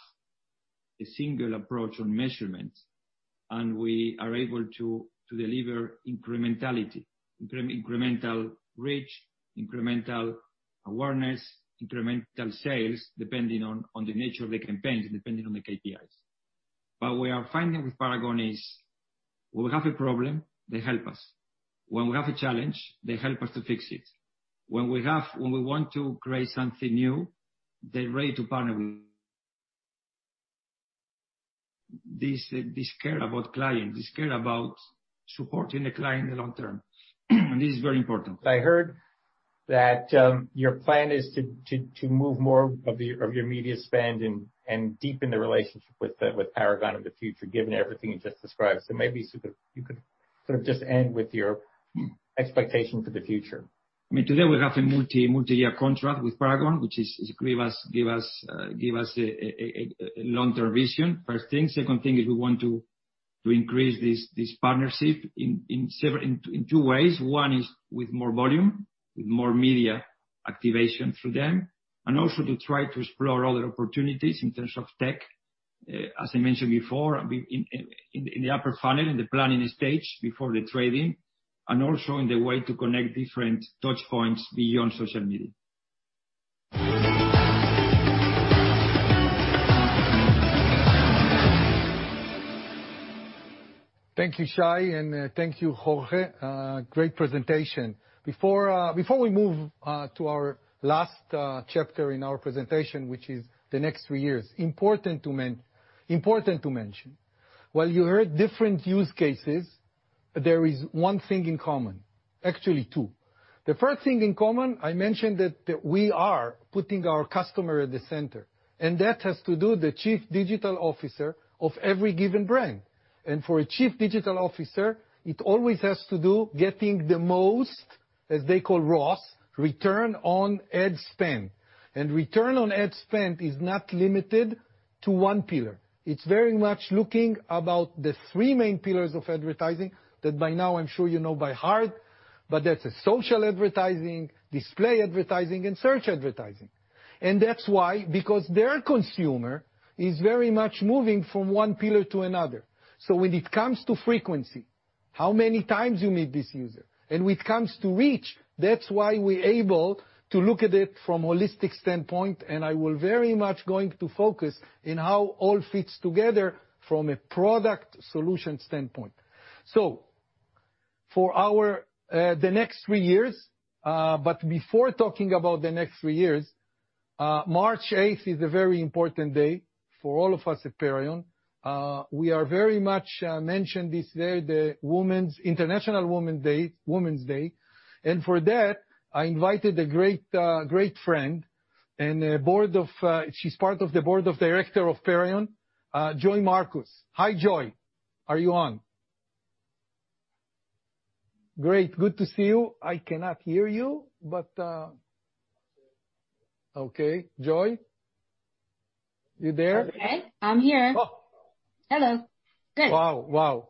a single approach on measurements. We are able to deliver incrementality, incremental reach, incremental awareness, incremental sales, depending on the nature of the campaigns, depending on the KPIs. We are finding with Paragone is when we have a problem, they help us. When we have a challenge, they help us to fix it. When we want to create something new, they're ready to partner with. They care about clients, they care about supporting the client in the long term, and this is very important. I heard that your plan is to move more of your media spend and deepen the relationship with Paragone in the future, given everything you just described. Maybe you could sort of just end with your expectation for the future. Today we have a multi-year contract with Paragone, which give us a long-term vision, first thing. Second thing is we want to increase this partnership in two ways. One is with more volume, with more media activation through them, and also to try to explore other opportunities in terms of tech, as I mentioned before, in the upper funnel, in the planning stage before the trading, and also in the way to connect different touchpoints beyond social media. Thank you, Shai, and thank you, Jorge. Great presentation. Before we move to our last chapter in our presentation, which is the next three years, it is important to mention. While you heard different use cases, there is one thing in common. Actually, two. The first thing in common, I mentioned that we are putting our customer at the center, and that has to do the Chief Digital Officer of every given brand. For a Chief Digital Officer, it always has to do getting the most, as they call ROAS, return on ad spend. Return on ad spend is not limited to one pillar. It's very much looking about the three main pillars of advertising that by now I'm sure you know by heart. That's social advertising, display advertising, and search advertising. That's why, because their consumer is very much moving from one pillar to another. When it comes to frequency, how many times you meet this user? When it comes to reach, that's why we're able to look at it from a holistic standpoint, and I will very much going to focus in how all fits together from a product solution standpoint. For the next three years, but before talking about the next three years, March 8th is a very important day for all of us at Perion. We are very much mentioned this day, the International Women's Day, and for that, I invited a great friend, she's part of the Board of Directors of Perion, Joy Marcus. Hi, Joy. Are you on? Great. Good to see you. I cannot hear you, but Okay, Joy? You there? Okay. I'm here. Hello. Good. Wow,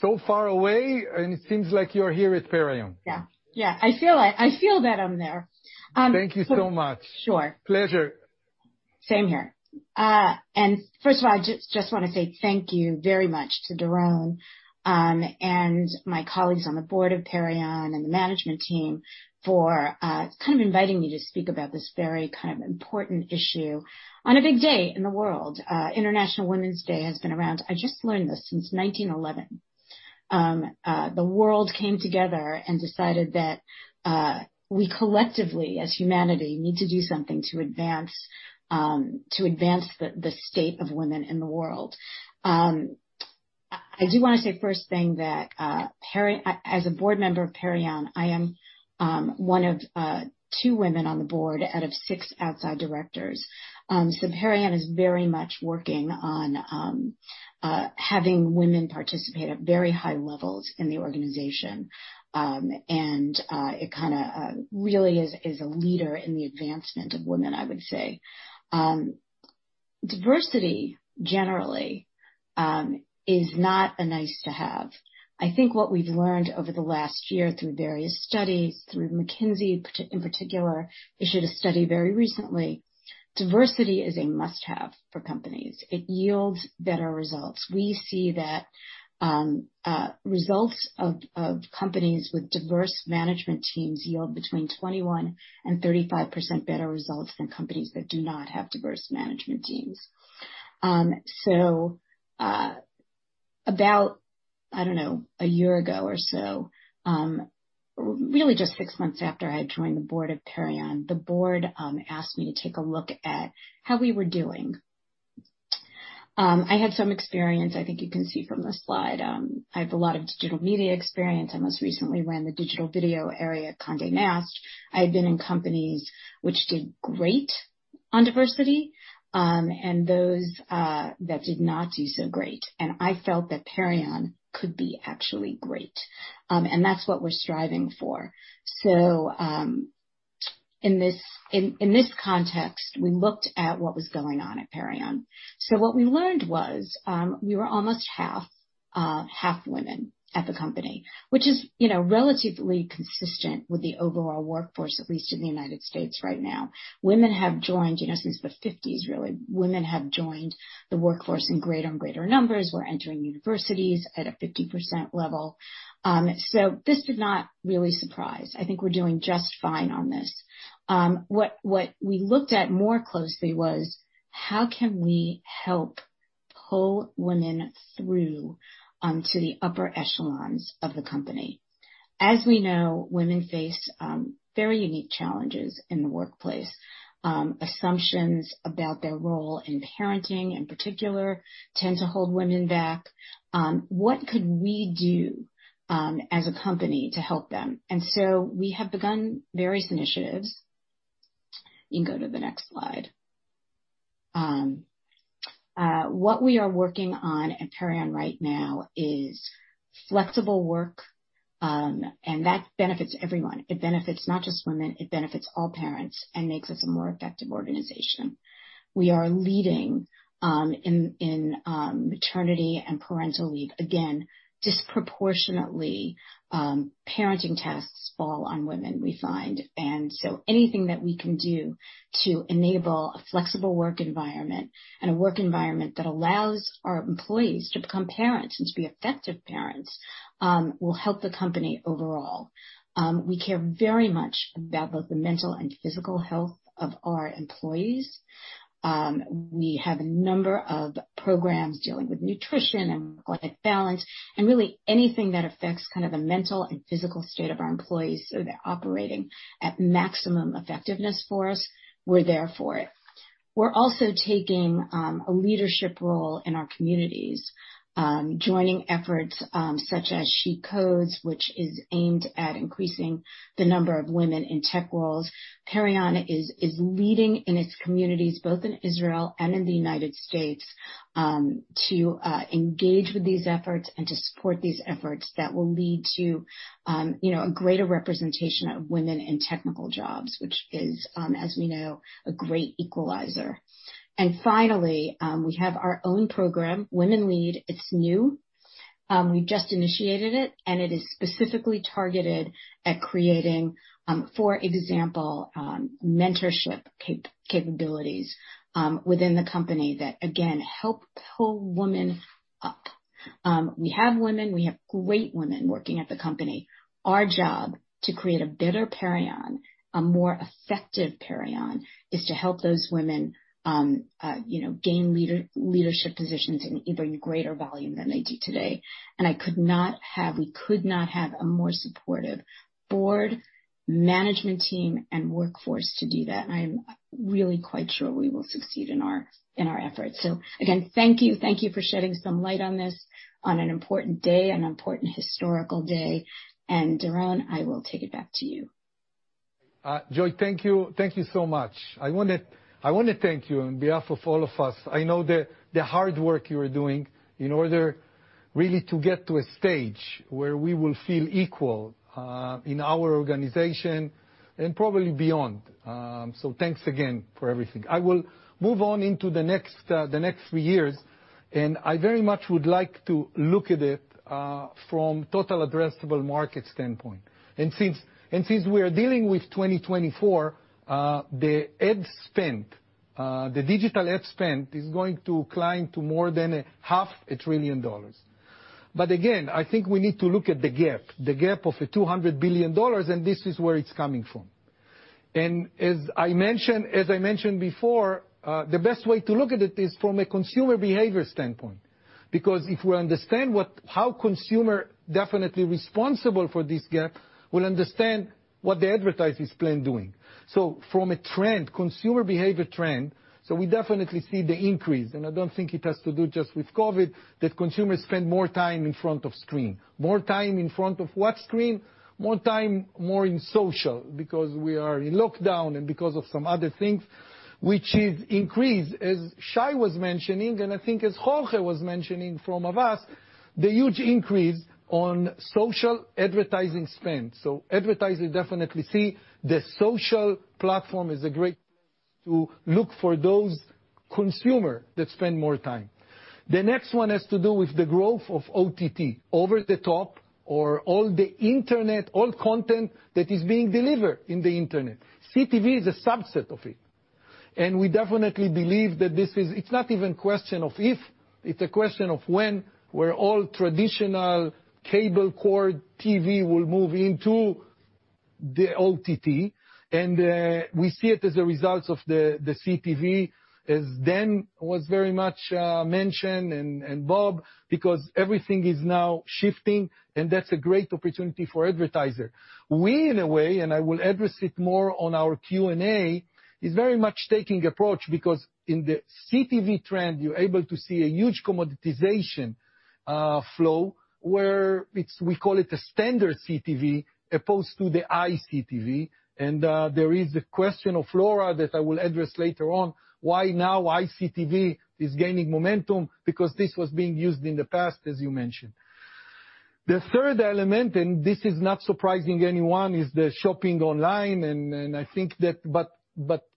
so far away, and it seems like you're here at Perion. Yeah, I feel that I'm there. Thank you so much. Sure. Pleasure. Same here. First of all, I just want to say thank you very much to Doron, and my colleagues on the board of Perion, and the management team for kind of inviting me to speak about this very kind of important issue on a big day in the world. International Women's Day has been around, I just learned this, since 1911. The world came together and decided that we collectively, as humanity, need to do something to advance the state of women in the world. I do want to say first thing that as a board member of Perion, I am one of two women on the board out of six outside directors. So Perion is very much working on having women participate at very high levels in the organization. It kind of really is a leader in the advancement of women, I would say. Diversity, generally, is not a nice-to-have. I think what we've learned over the last year through various studies, through McKinsey & Company in particular, issued a study very recently, diversity is a must-have for companies. It yields better results. We see that results of companies with diverse management teams yield between 21% and 35% better results than companies that do not have diverse management teams. About, I don't know, a year ago or so, really just six months after I had joined the board of Perion, the board asked me to take a look at how we were doing. I had some experience, I think you can see from the slide. I have a lot of digital media experience. I most recently ran the digital video area at Condé Nast. I had been in companies which did great on diversity, and those that did not do so great. I felt that Perion could be actually great. That's what we're striving for. In this context, we looked at what was going on at Perion. What we learned was, we were almost half women at the company, which is relatively consistent with the overall workforce, at least in the U.S. right now. Women have joined since the 1950s, really. Women have joined the workforce in greater and greater numbers, we're entering universities at a 50% level. This did not really surprise. I think we're doing just fine on this. What we looked at more closely was, how can we help pull women through to the upper echelons of the company? As we know, women face very unique challenges in the workplace. Assumptions about their role in parenting, in particular, tend to hold women back. What could we do, as a company, to help them? We have begun various initiatives. You can go to the next slide. What we are working on at Perion right now is flexible work, and that benefits everyone. It benefits not just women, it benefits all parents and makes us a more effective organization. We are leading in maternity and parental leave. Again, disproportionately, parenting tasks fall on women, we find. Anything that we can do to enable a flexible work environment and a work environment that allows our employees to become parents and to be effective parents, will help the company overall. We care very much about both the mental and physical health of our employees. We have a number of programs dealing with nutrition and work-life balance, and really anything that affects kind of the mental and physical state of our employees so they're operating at maximum effectiveness for us, we're there for it. We're also taking a leadership role in our communities, joining efforts such as SheCodes, which is aimed at increasing the number of women in tech roles. Perion is leading in its communities, both in Israel and in the United States, to engage with these efforts and to support these efforts that will lead to a greater representation of women in technical jobs, which is, as we know, a great equalizer. Finally, we have our own program, Women Lead. It's new. We've just initiated it, and it is specifically targeted at creating, for example, mentorship capabilities within the company that, again, help pull women up. We have women, we have great women working at the company. Our job to create a better Perion, a more effective Perion, is to help those women gain leadership positions in even greater volume than they do today. We could not have a more supportive board, management team, and workforce to do that. I'm really quite sure we will succeed in our efforts. Again, thank you for shedding some light on this on an important day, an important historical day. Doron, I will take it back to you. Joy, thank you. Thank you so much. I want to thank you on behalf of all of us. I know the hard work you are doing in order really to get to a stage where we will feel equal, in our organization and probably beyond. Thanks again for everything. I will move on into the next three years. I very much would like to look at it from total addressable market standpoint. Since we are dealing with 2024, the ad spend, the digital ad spend, is going to climb to more than $500 billion. Again, I think we need to look at the gap, the gap of $200 billion. This is where it's coming from. As I mentioned before, the best way to look at it is from a consumer behavior standpoint. Because if we understand how consumer definitely responsible for this gap, we'll understand what the advertisers plan doing. From a trend, consumer behavior trend, so we definitely see the increase, and I don't think it has to do just with COVID, that consumers spend more time in front of screen. More time in front of what screen? More time, more in social, because we are in lockdown and because of some other things, which is increased, as Shai was mentioning, and I think as Jorge was mentioning from Havas, the huge increase on social advertising spend. Advertisers definitely see the social platform is a great place to look for those consumer that spend more time. The next one has to do with the growth of OTT, over-the-top, or all the internet, all content that is being delivered in the internet. CTV is a subset of it. We definitely believe that it's not even question of if, it's a question of when, where all traditional cable cord TV will move into the OTT. We see it as a result of the CTV, as Dan was very much mentioning, and Bob, because everything is now shifting, and that's a great opportunity for advertisers. We, in a way, and I will address it more on our Q&A, is very much taking approach because in the CTV trend, you're able to see a huge commoditization flow where we call it a standard CTV opposed to the iCTV. There is a question of Laura that I will address later on, why now iCTV is gaining momentum, because this was being used in the past, as you mentioned. The third element, and this is not surprising anyone, is the shopping online.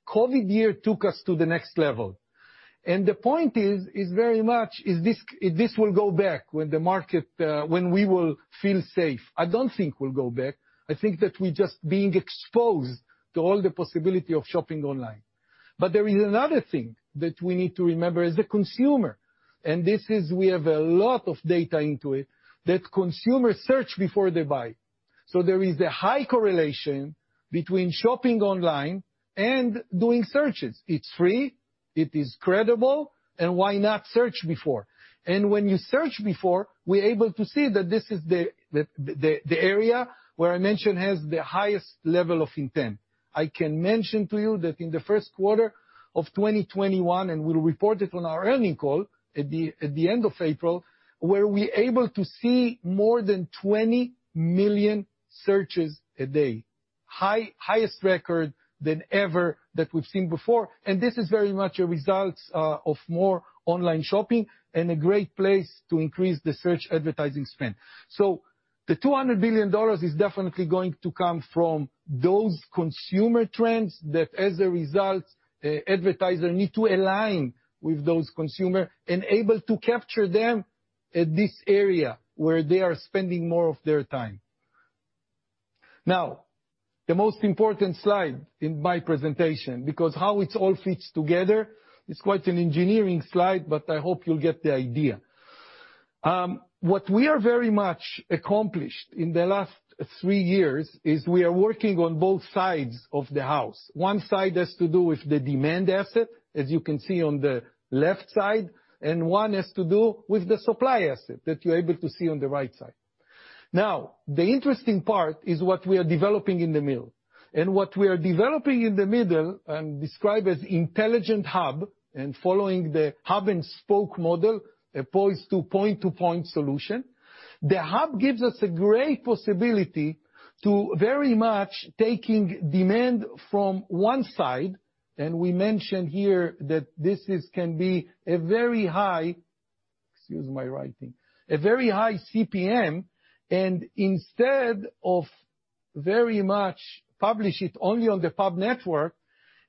COVID year took us to the next level. The point is very much, this will go back when we will feel safe. I don't think we'll go back. I think that we're just being exposed to all the possibility of shopping online. There is another thing that we need to remember as a consumer, and this is we have a lot of data into it, that consumers search before they buy. There is a high correlation between shopping online and doing searches. It's free, it is credible, and why not search before? When you search before, we're able to see that this is the area where I mentioned has the highest level of intent. I can mention to you that in the first quarter of 2021, and we'll report it on our earnings call at the end of April, where we able to see more than 20 million searches a day. Highest record than ever that we've seen before. This is very much a result of more online shopping and a great place to increase the search advertising spend. The $200 billion is definitely going to come from those consumer trends that, as a result, advertisers need to align with those consumer and able to capture them at this area where they are spending more of their time. The most important slide in my presentation, because how it all fits together, it's quite an engineering slide, but I hope you'll get the idea. What we are very much accomplished in the last three years is we are working on both sides of the house. One side has to do with the demand asset, as you can see on the left side, and one has to do with the supply asset that you're able to see on the right side. The interesting part is what we are developing in the middle. What we are developing in the middle, described as Intelligent HUB, and following the hub and spoke model, a point-to-point solution. The hub gives us a great possibility to very much taking demand from one side, and we mention here that this can be a very high CPM, and instead of very much publish it only on the pub network,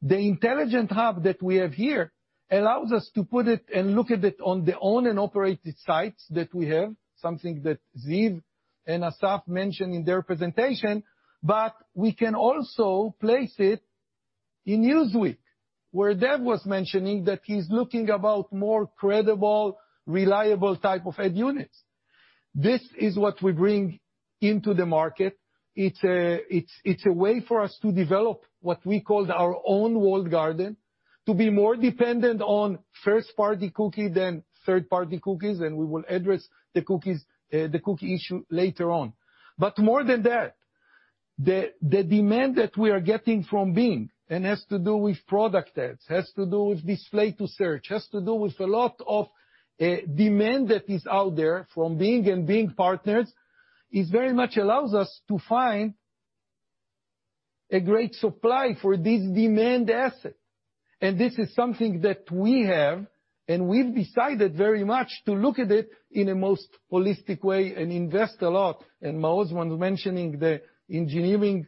the Intelligent HUB that we have here allows us to put it and look at it on the own and operated sites that we have, something that Ziv and Asaf mentioned in their presentation. We can also place it in Newsweek, where Dev was mentioning that he's looking about more credible, reliable type of ad units. This is what we bring into the market. It's a way for us to develop what we called our own walled garden to be more dependent on first-party cookie than third-party cookies, and we will address the cookie issue later on. More than that, the demand that we are getting from Bing and has to do with product ads, has to do with display to search, has to do with a lot of demand that is out there from Bing and Bing partners. It very much allows us to find a great supply for this demand asset. This is something that we have, and we've decided very much to look at it in a most holistic way and invest a lot. Maoz was mentioning the engineering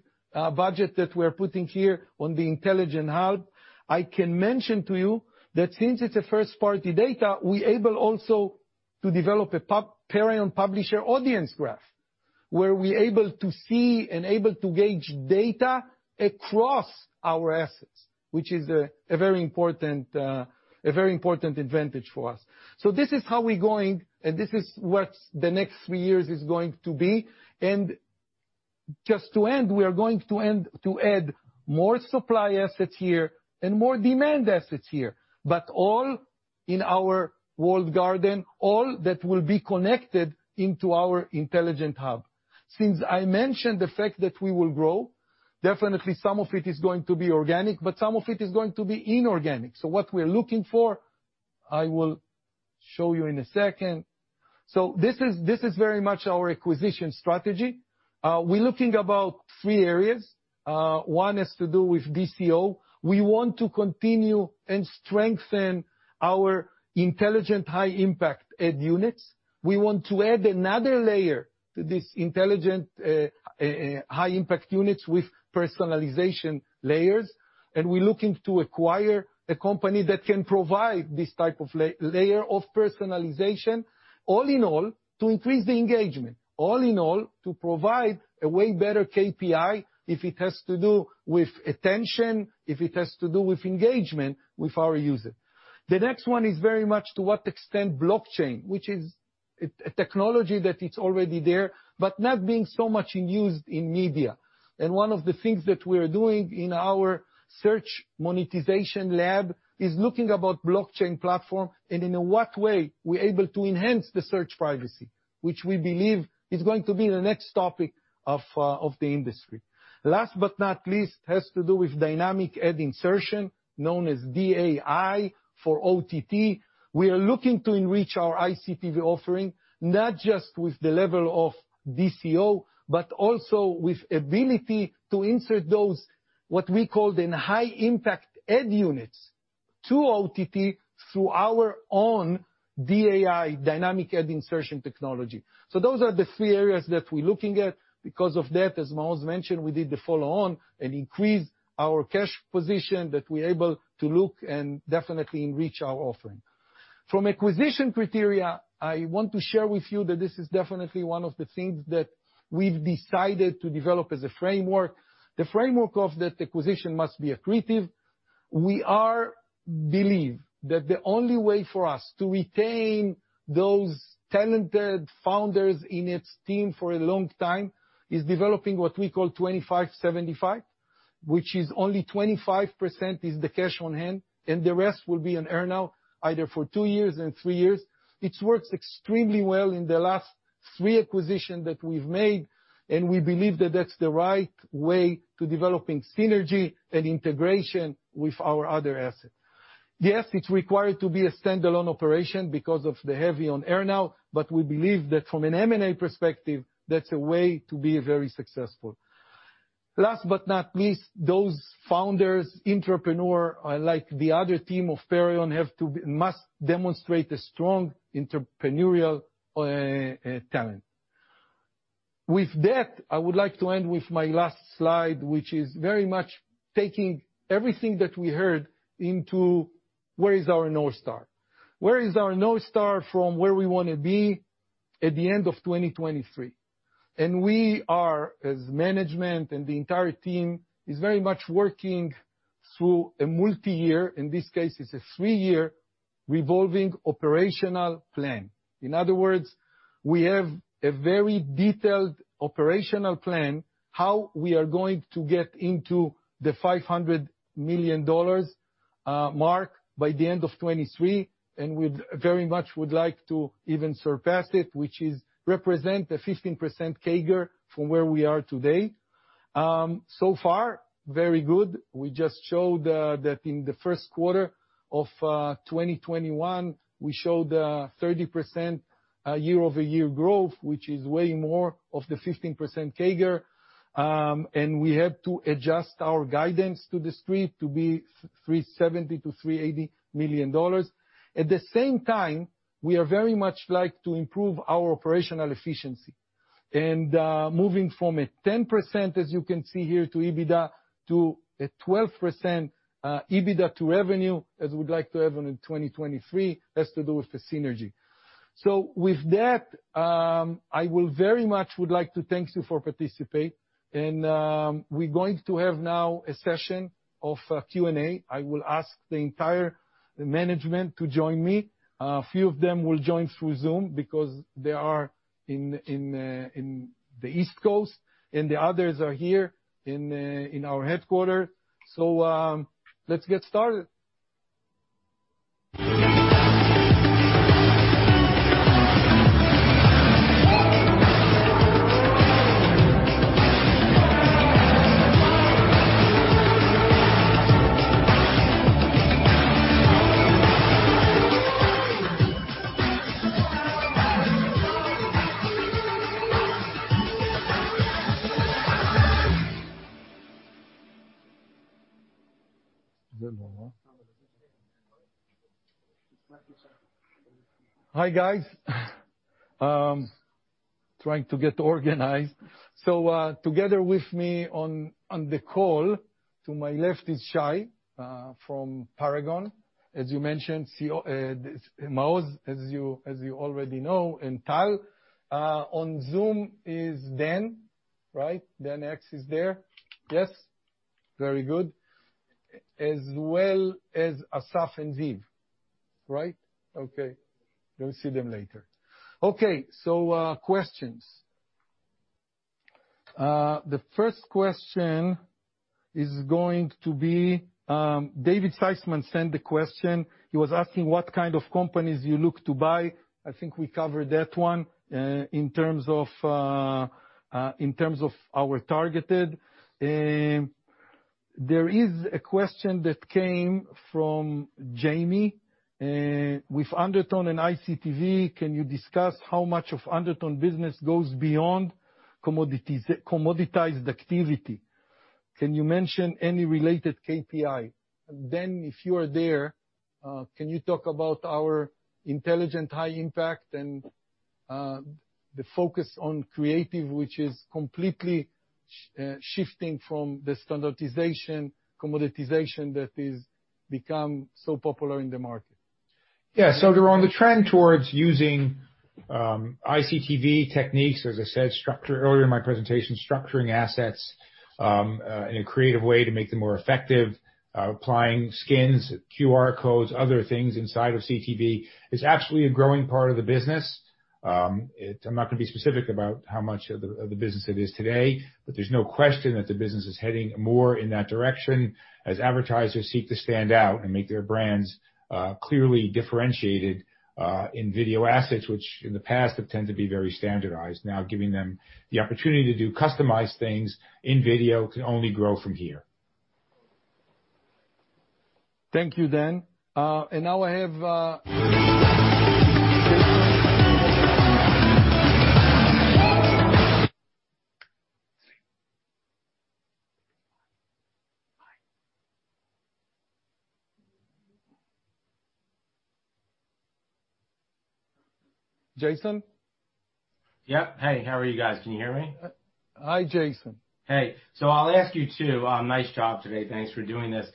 budget that we're putting here on the Intelligent HUB. I can mention to you that since it's a first-party data, we able also to develop a Perion publisher audience graph, where we able to see and able to gauge data across our assets, which is a very important advantage for us. This is how we're going, and this is what the next three years is going to be. Just to end, we are going to add more supply assets here and more demand assets here, but all in our walled garden, all that will be connected into our Intelligent HUB. Since I mentioned the fact that we will grow, definitely some of it is going to be organic, but some of it is going to be inorganic. What we're looking for, I will show you in a second. This is very much our acquisition strategy. We're looking about three areas. One has to do with DCO. We want to continue and strengthen our intelligent, high-impact ad units. We want to add another layer to this intelligent, high-impact units with personalization layers. We're looking to acquire a company that can provide this type of layer of personalization, all in all, to increase the engagement. All in all, to provide a way better KPI, if it has to do with attention, if it has to do with engagement with our user. The next one is very much to what extent blockchain, which is a technology that it's already there, but not being so much in use in media. One of the things that we're doing in our search monetization lab is looking about blockchain platform and in what way we're able to enhance the search privacy, which we believe is going to be the next topic of the industry. Last but not least, has to do with Dynamic Ad Insertion, known as DAI for OTT. We are looking to enrich our iCTV offering, not just with the level of DCO, but also with ability to insert those, what we call then high-impact ad units to OTT through our own DAI, Dynamic Ad Insertion technology. Those are the three areas that we're looking at. Because of that, as Maoz mentioned, we did the follow on and increased our cash position that we're able to look and definitely enrich our offering. From acquisition criteria, I want to share with you that this is definitely one of the things that we've decided to develop as a framework. The framework of that acquisition must be accretive. We are believe that the only way for us to retain those talented founders in its team for a long time is developing what we call 25/75, which is only 25% is the cash on hand, and the rest will be on earn out either for two years and three years. It works extremely well in the last three acquisition that we've made. We believe that that's the right way to developing synergy and integration with our other asset. Yes, it's required to be a standalone operation because of the heavy on earn-out. We believe that from an M&A perspective, that's a way to be very successful. Last but not least, those founders, entrepreneur, like the other team of Perion, must demonstrate a strong entrepreneurial talent. I would like to end with my last slide, which is very much taking everything that we heard into where is our North Star. Where is our North Star from where we want to be at the end of 2023? We are, as management and the entire team, is very much working through a multi-year, in this case, it's a three-year revolving operational plan. In other words, we have a very detailed operational plan, how we are going to get into the $500 million mark by the end of 2023, and we very much would like to even surpass it, which represent a 15% CAGR from where we are today. So far, very good. We just showed that in the first quarter of 2021, we showed a 30% year-over-year growth, which is way more of the 15% CAGR. We had to adjust our guidance to the street to be $370 million-$380 million. At the same time, we are very much like to improve our operational efficiency. Moving from a 10%, as you can see here, to EBITDA, to a 12% EBITDA to revenue, as we would like to have in 2023, has to do with the synergy. With that, I very much would like to thank you for participate. We're going to have now a session of Q&A. I will ask the entire management to join me. A few of them will join through Zoom because they are in the East Coast, and the others are here in our headquarters. Let's get started. Hi, guys. Trying to get organized. Together with me on the call, to my left is Shai, from Paragone.ai. As you mentioned, Maoz, as you already know, and Tal. On Zoom is Dan, right? Dan Aks is there? Yes. Very good. As well as Asaf and Ziv, right? Okay. We'll see them later. Okay. Questions. The first question is going to be David Sizemore sent the question. He was asking what kind of companies you look to buy. I think we covered that one, in terms of our targeted. There is a question that came from Jamie. With Undertone and iCTV, can you discuss how much of Undertone business goes beyond commoditized activity? Can you mention any related KPI? Dan, if you are there, can you talk about our intelligent high impact and the focus on creative, which is completely shifting from the standardization, commoditization that is become so popular in the market? Doron, the trend towards using iCTV techniques, as I said earlier in my presentation, structuring assets in a creative way to make them more effective, applying skins, QR codes, other things inside of CTV, is absolutely a growing part of the business. I'm not going to be specific about how much of the business it is today, but there's no question that the business is heading more in that direction as advertisers seek to stand out and make their brands clearly differentiated in video assets, which in the past have tended to be very standardized. Now giving them the opportunity to do customized things in video can only grow from here. Thank you, Dan. Now I have, Jason? Yep. Hey, how are you guys? Can you hear me? Hi, Jason. Hey. I'll ask you, too. Nice job today. Thanks for doing this.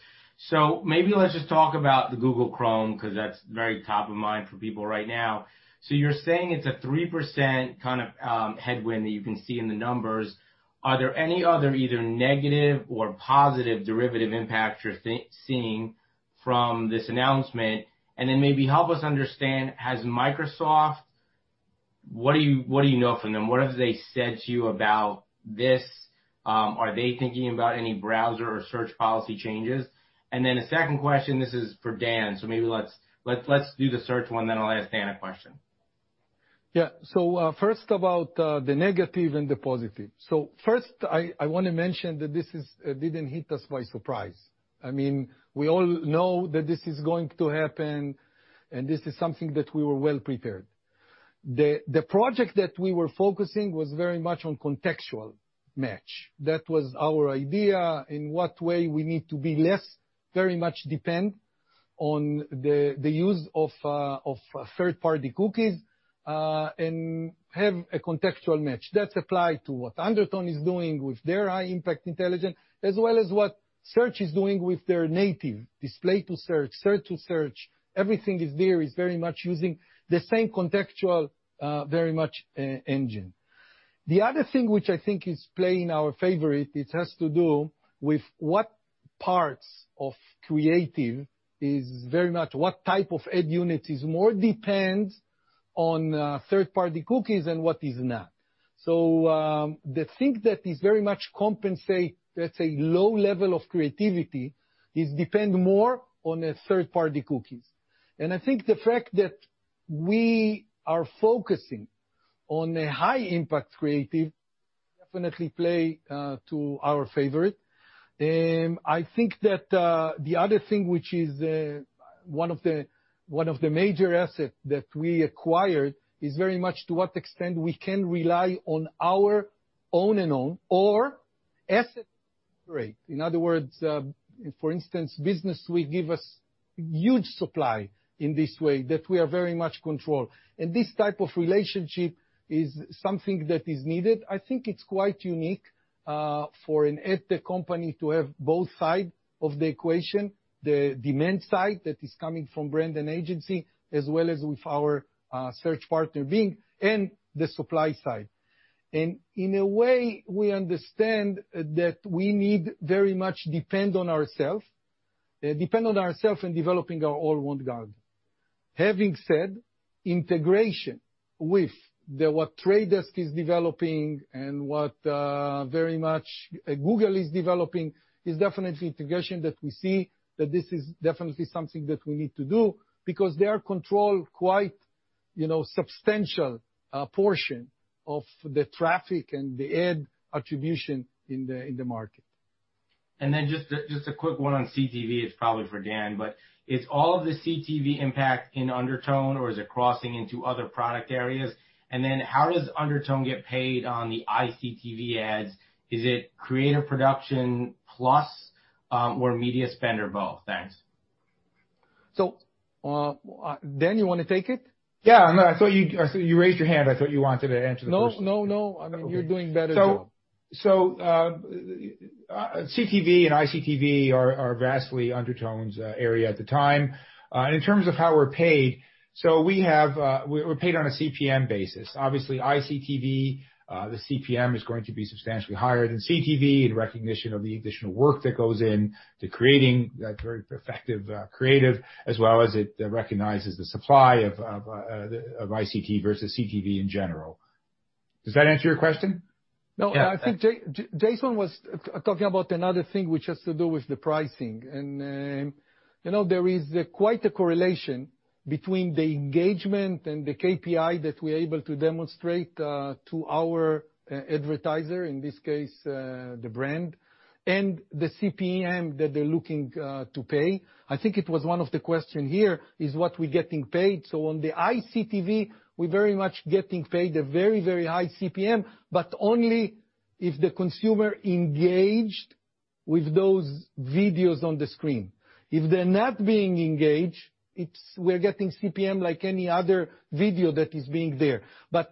Maybe let's just talk about the Google Chrome, because that's very top of mind for people right now. You're saying it's a 3% kind of headwind that you can see in the numbers. Are there any other either negative or positive derivative impacts you're seeing from this announcement? Maybe help us understand, has Microsoft. What do you know from them? What have they said to you about this? Are they thinking about any browser or search policy changes? A second question, this is for Dan. Maybe let's do the search one, then I'll ask Dan a question. First about the negative and the positive. First, I want to mention that this didn't hit us by surprise. We all know that this is going to happen, and this is something that we were well prepared. The project that we were focusing was very much on contextual match. That was our idea, in what way we need to be less, very much depend on the use of third-party cookies, and have a contextual match. That apply to what Undertone is doing with their high impact intelligence, as well as what Search is doing with their native display to search to search. Everything is there, is very much using the same contextual engine. The other thing which I think is playing our favor, it has to do with what parts of creative, what type of ad unit more depends on third-party cookies and what is not. The thing that very much compensates, let's say low level of creativity, depends more on third-party cookies. I think the fact that we are focusing on a high impact creative definitely play to our favor. I think that the other thing which is one of the major assets that we acquired is very much to what extent we can rely on our own and all, or asset rate. In other words, for instance, business will give us huge supply in this way that we very much control. This type of relationship is something that is needed. I think it's quite unique, for an ad tech company to have both side of the equation, the demand side that is coming from brand and agency, as well as with our search partner Bing and the supply side. In a way, we understand that we need very much depend on ourself, depend on ourself in developing our walled garden. Having said, integration with what The Trade Desk is developing and what very much Google is developing is definitely integration that we see that this is definitely something that we need to do because they are control quite substantial portion of the traffic and the ad attribution in the market. Just a quick one on CTV. It's probably for Dan, but is all of the CTV impact in Undertone, or is it crossing into other product areas? How does Undertone get paid on the iCTV ads? Is it creative production plus, or media spend, or both? Thanks. Dan, you want to take it? Yeah, I thought you raised your hand. I thought you wanted to answer the first one. No, I mean, you're doing better, Dan. CTV and iCTV are vastly Undertone's area at the time. In terms of how we're paid, we're paid on a CPM basis. Obviously, iCTV, the CPM is going to be substantially higher than CTV in recognition of the additional work that goes in to creating that very effective creative, as well as it recognizes the supply of iCTV versus CTV in general. Does that answer your question? No, I think Jason was talking about another thing which has to do with the pricing. There is quite a correlation between the engagement and the KPI that we're able to demonstrate to our advertiser, in this case, the brand, and the CPM that they're looking to pay. I think it was one of the question here, is what we're getting paid. On the iCTV, we're very much getting paid a very, very high CPM, but only if the consumer engaged with those videos on the screen. If they're not being engaged, we're getting CPM like any other video that is being there.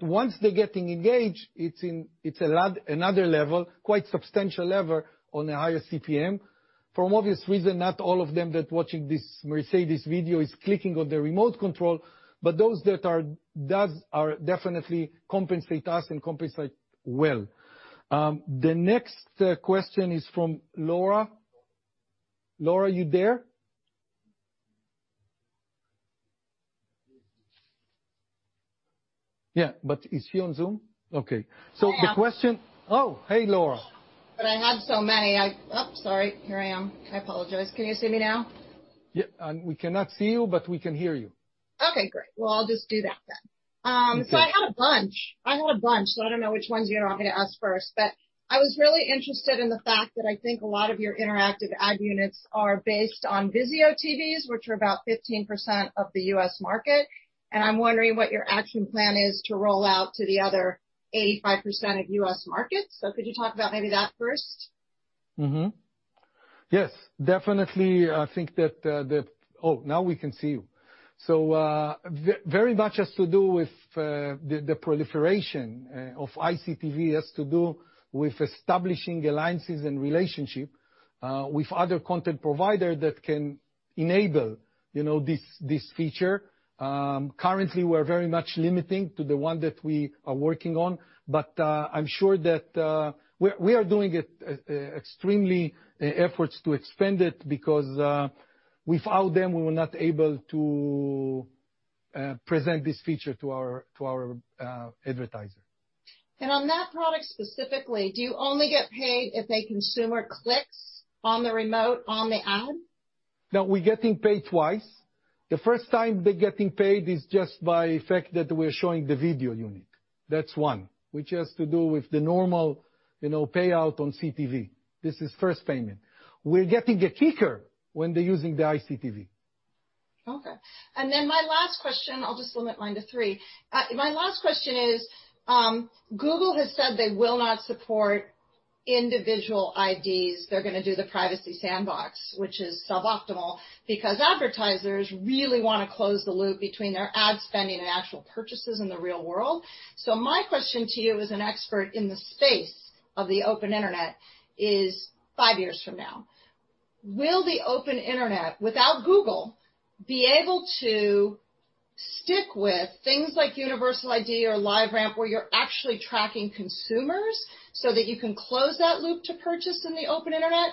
Once they're getting engaged, it's another level, quite substantial level, on a higher CPM. From obvious reason, not all of them that watching this Mercedes-Benz video is clicking on the remote control, but those that does are definitely compensate us and compensate well. The next question is from Laura. Laura, are you there? Yeah, is she on Zoom? Okay. I am. Oh, hey, Laura. I had so many. Oh, sorry. Here I am. I apologize. Can you see me now? Yeah, we cannot see you, but we can hear you. Okay, great. Well, I'll just do that then. Okay. I had a bunch. I had a bunch, so I don't know which ones you want me to ask first, but I was really interested in the fact that I think a lot of your interactive ad units are based on VIZIO TVs, which are about 15% of the U.S. market. I'm wondering what your action plan is to roll out to the other 85% of U.S. markets. Could you talk about maybe that first? Yes, definitely. Oh, now we can see you. Very much has to do with the proliferation of iCTV, has to do with establishing alliances and relationship with other content provider that can enable this feature. Currently, we're very much limiting to the one that we are working on. I'm sure that we are doing extremely efforts to expand it because, without them, we were not able to present this feature to our advertiser. On that product specifically, do you only get paid if a consumer clicks on the remote on the ad? No, we're getting paid twice. The first time they're getting paid is just by effect that we're showing the video unit. That's one, which has to do with the normal payout on CTV. This is first payment. We're getting a kicker when they're using the iCTV. Okay. My last question, I'll just limit mine to three. My last question is, Google has said they will not support individual IDs. They're going to do the Privacy Sandbox, which is suboptimal because advertisers really want to close the loop between their ad spending and actual purchases in the real world. My question to you, as an expert in the space of the open internet is, five years from now, will the open internet, without Google, be able to stick with things like universal ID or LiveRamp, where you're actually tracking consumers so that you can close that loop to purchase in the open internet?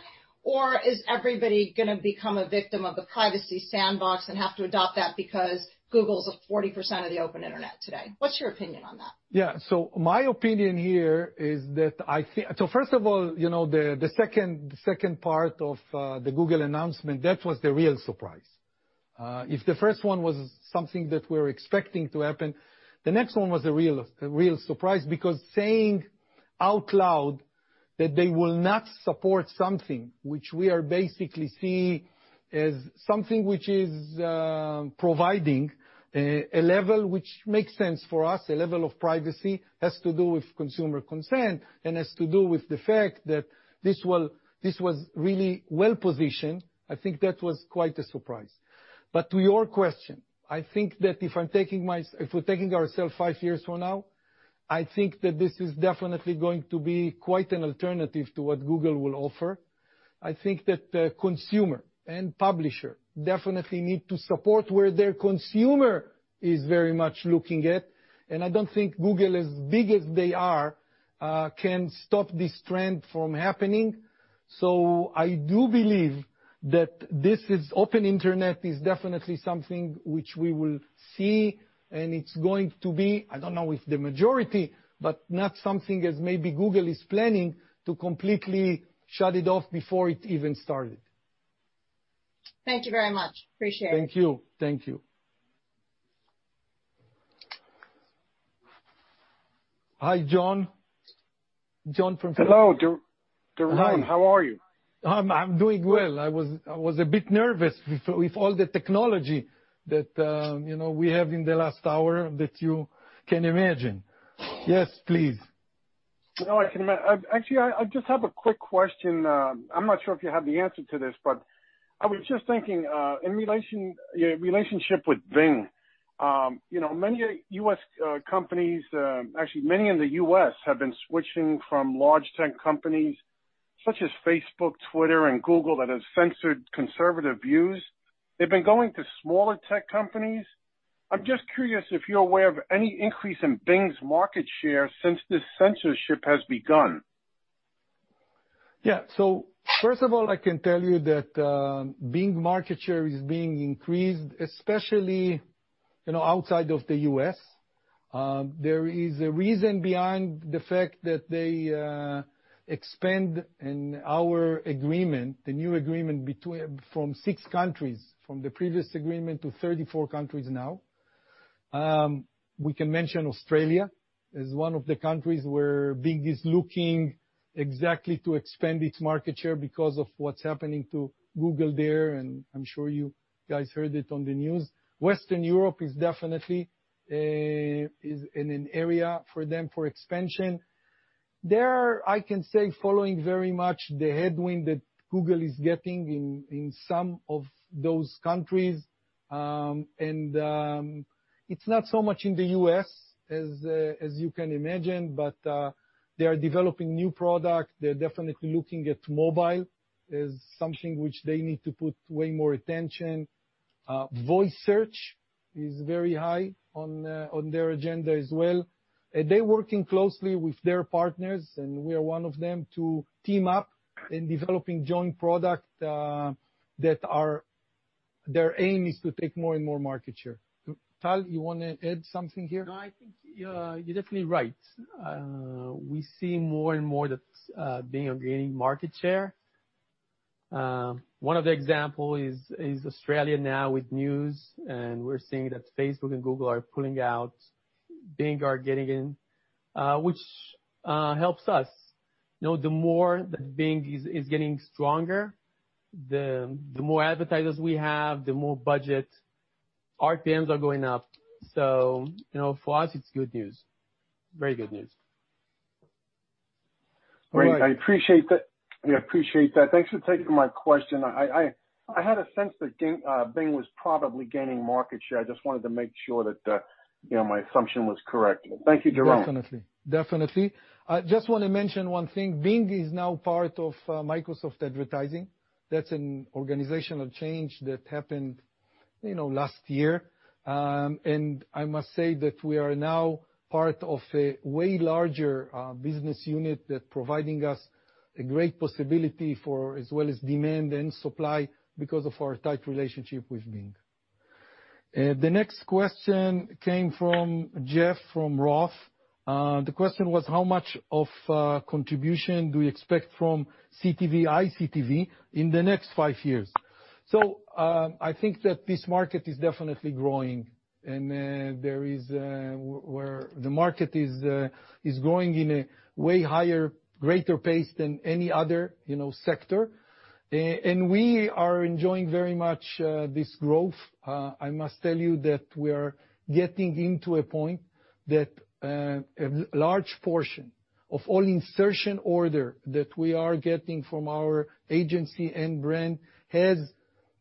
Is everybody going to become a victim of the Privacy Sandbox and have to adopt that because Google's at 40% of the open internet today? What's your opinion on that? Yeah. My opinion here is that, first of all, the second part of the Google announcement, that was the real surprise. If the first one was something that we were expecting to happen, the next one was a real surprise because saying out loud that they will not support something which we basically see as something which is providing a level which makes sense for us, a level of privacy, has to do with consumer consent, and has to do with the fact that this was really well-positioned. I think that was quite a surprise. To your question, I think that if we're taking ourselves five years from now, I think that this is definitely going to be quite an alternative to what Google will offer. I think that the consumer and publisher definitely need to support where their consumer is very much looking at. I don't think Google, as big as they are, can stop this trend from happening. I do believe that this open internet is definitely something which we will see, and it's going to be, I don't know if the majority, but not something as maybe Google is planning to completely shut it off before it even started. Thank you very much, appreciate it. Thank you. Hi, John. Hello, Doron. Hi. How are you? I'm doing well. I was a bit nervous with all the technology that we have in the last hour that you can imagine. Yes, please. No, I can imagine. Actually, I just have a quick question. I'm not sure if you have the answer to this, but I was just thinking, in relationship with Bing. Actually, many in the U.S. have been switching from large tech companies such as Facebook, Twitter, and Google that have censored conservative views. They've been going to smaller tech companies. I'm just curious if you're aware of any increase in Bing's market share since this censorship has begun. Yeah. First of all, I can tell you that Bing market share is being increased, especially outside of the U.S. There is a reason behind the fact that they expand in our agreement, the new agreement from six countries, from the previous agreement to 34 countries now. We can mention Australia as one of the countries where Bing is looking exactly to expand its market share because of what's happening to Google there, and I'm sure you guys heard it on the news. Western Europe is definitely in an area for them for expansion. They are, I can say, following very much the headwind that Google is getting in some of those countries. It's not so much in the U.S., as you can imagine, but they are developing new product. They're definitely looking at mobile as something which they need to put way more attention. Voice search is very high on their agenda as well. They're working closely with their partners, and we are one of them, to team up in developing joint product that their aim is to take more and more market share. Tal, you want to add something here? No, I think you're definitely right. We see more and more that Bing are gaining market share. One of the example is Australia now with news, and we're seeing that Facebook and Google are pulling out, Bing are getting in, which helps us. The more that Bing is getting stronger, the more advertisers we have, the more budget, RPMs are going up. For us, it's good news. Very good news. All right. Great. I appreciate that. Thanks for taking my question. I had a sense that Bing was probably gaining market share. I just wanted to make sure that my assumption was correct. Thank you, Doron. Definitely. I just want to mention one thing. Bing is now part of Microsoft Advertising. That's an organizational change that happened last year. I must say that we are now part of a way larger business unit that providing us a great possibility for as well as demand and supply because of our tight relationship with Bing. The next question came from Jeff from Roth. The question was, "How much of contribution do you expect from CTV, iCTV, in the next five years?" I think that this market is definitely growing in a way higher, greater pace than any other sector. We are enjoying very much this growth. I must tell you that we are getting into a point that a large portion of all insertion order that we are getting from our agency and brand has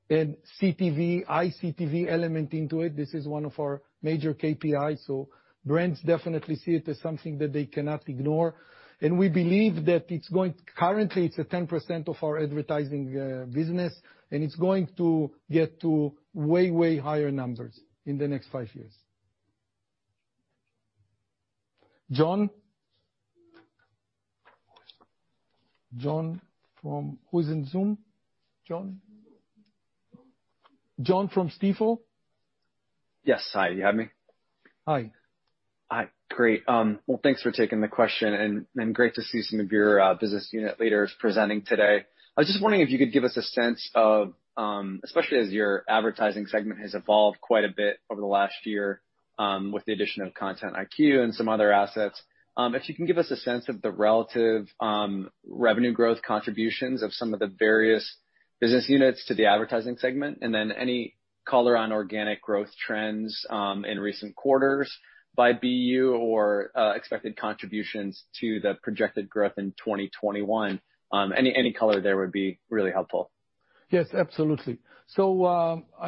an CTV, iCTV element into it. This is one of our major KPIs. Brands definitely see it as something that they cannot ignore. We believe that currently, it's at 10% of our advertising business, and it's going to get to way higher numbers in the next five years. Who's in Zoom? John? John from Stifel? Yes. You hear me? Hi. Hi. Great. Well, thanks for taking the question, and great to see some of your business unit leaders presenting today. I was just wondering if you could give us a sense of, especially as your advertising segment has evolved quite a bit over the last year with the addition of Content IQ and some other assets. If you can give us a sense of the relative revenue growth contributions of some of the various business units to the advertising segment, and then any color on organic growth trends, in recent quarters by BU or expected contributions to the projected growth in 2021? Any color there would be really helpful. Yes, absolutely.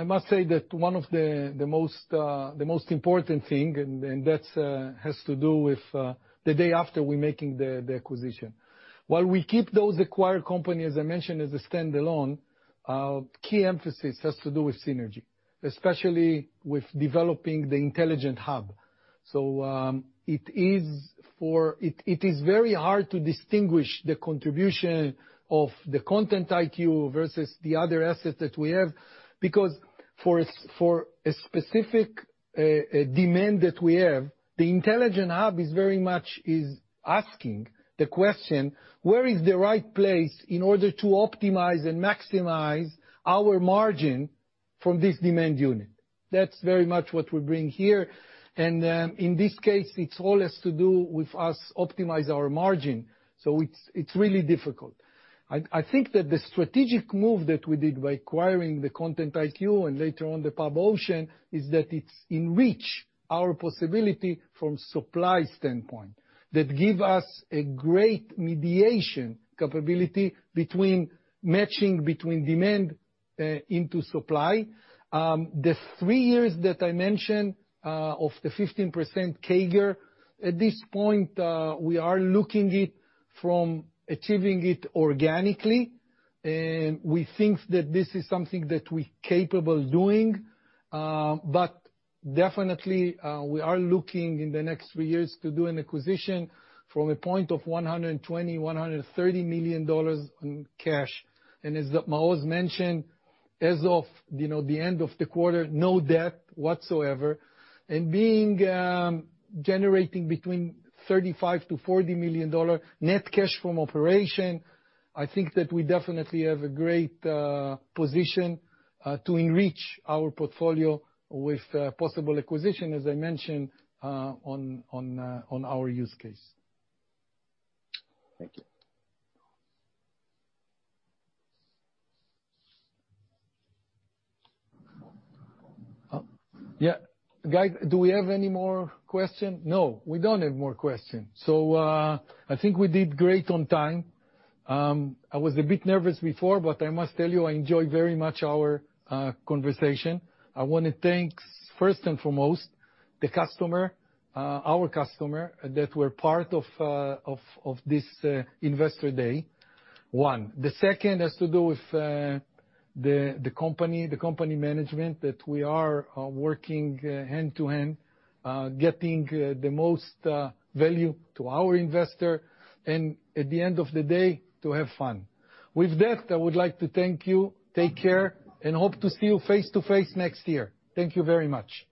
I must say that one of the most important thing, and that has to do with the day after we're making the acquisition. While we keep those acquired company, as I mentioned, as a standalone, key emphasis has to do with synergy. Especially with developing the Intelligent HUB. It is very hard to distinguish the contribution of the Content IQ versus the other assets that we have. Because for a specific demand that we have, the Intelligent HUB is very much asking the question, where is the right place in order to optimize and maximize our margin from this demand unit? That's very much what we bring here. In this case, it all has to do with us optimize our margin. It's really difficult. I think that the strategic move that we did by acquiring the Content IQ and later on the Pub Ocean, is that it's enrich our possibility from supply standpoint. That give us a great mediation capability between matching between demand into supply. The three years that I mentioned, of the 15% CAGR, at this point, we are looking it from achieving it organically. We think that this is something that we capable doing. Definitely, we are looking in the next three years to do an acquisition from a point of $120 million, $130 million in cash. As Maoz mentioned, as of the end of the quarter, no debt whatsoever. Generating between $35 million-$40 million net cash from operation, I think that we definitely have a great position to enrich our portfolio with possible acquisition, as I mentioned, on our use case. Thank you. Yeah. Guys, do we have any more questions? No, we don't have more questions. I think we did great on time. I was a bit nervous before, but I must tell you, I enjoy very much our conversation. I want to thank, first and foremost, the customer, our customer, that were part of this Investor Day. One. The second has to do with the company management, that we are working hand-to-hand, getting the most value to our investor. At the end of the day, to have fun. With that, I would like to thank you, take care, and hope to see you face-to-face next year. Thank you very much.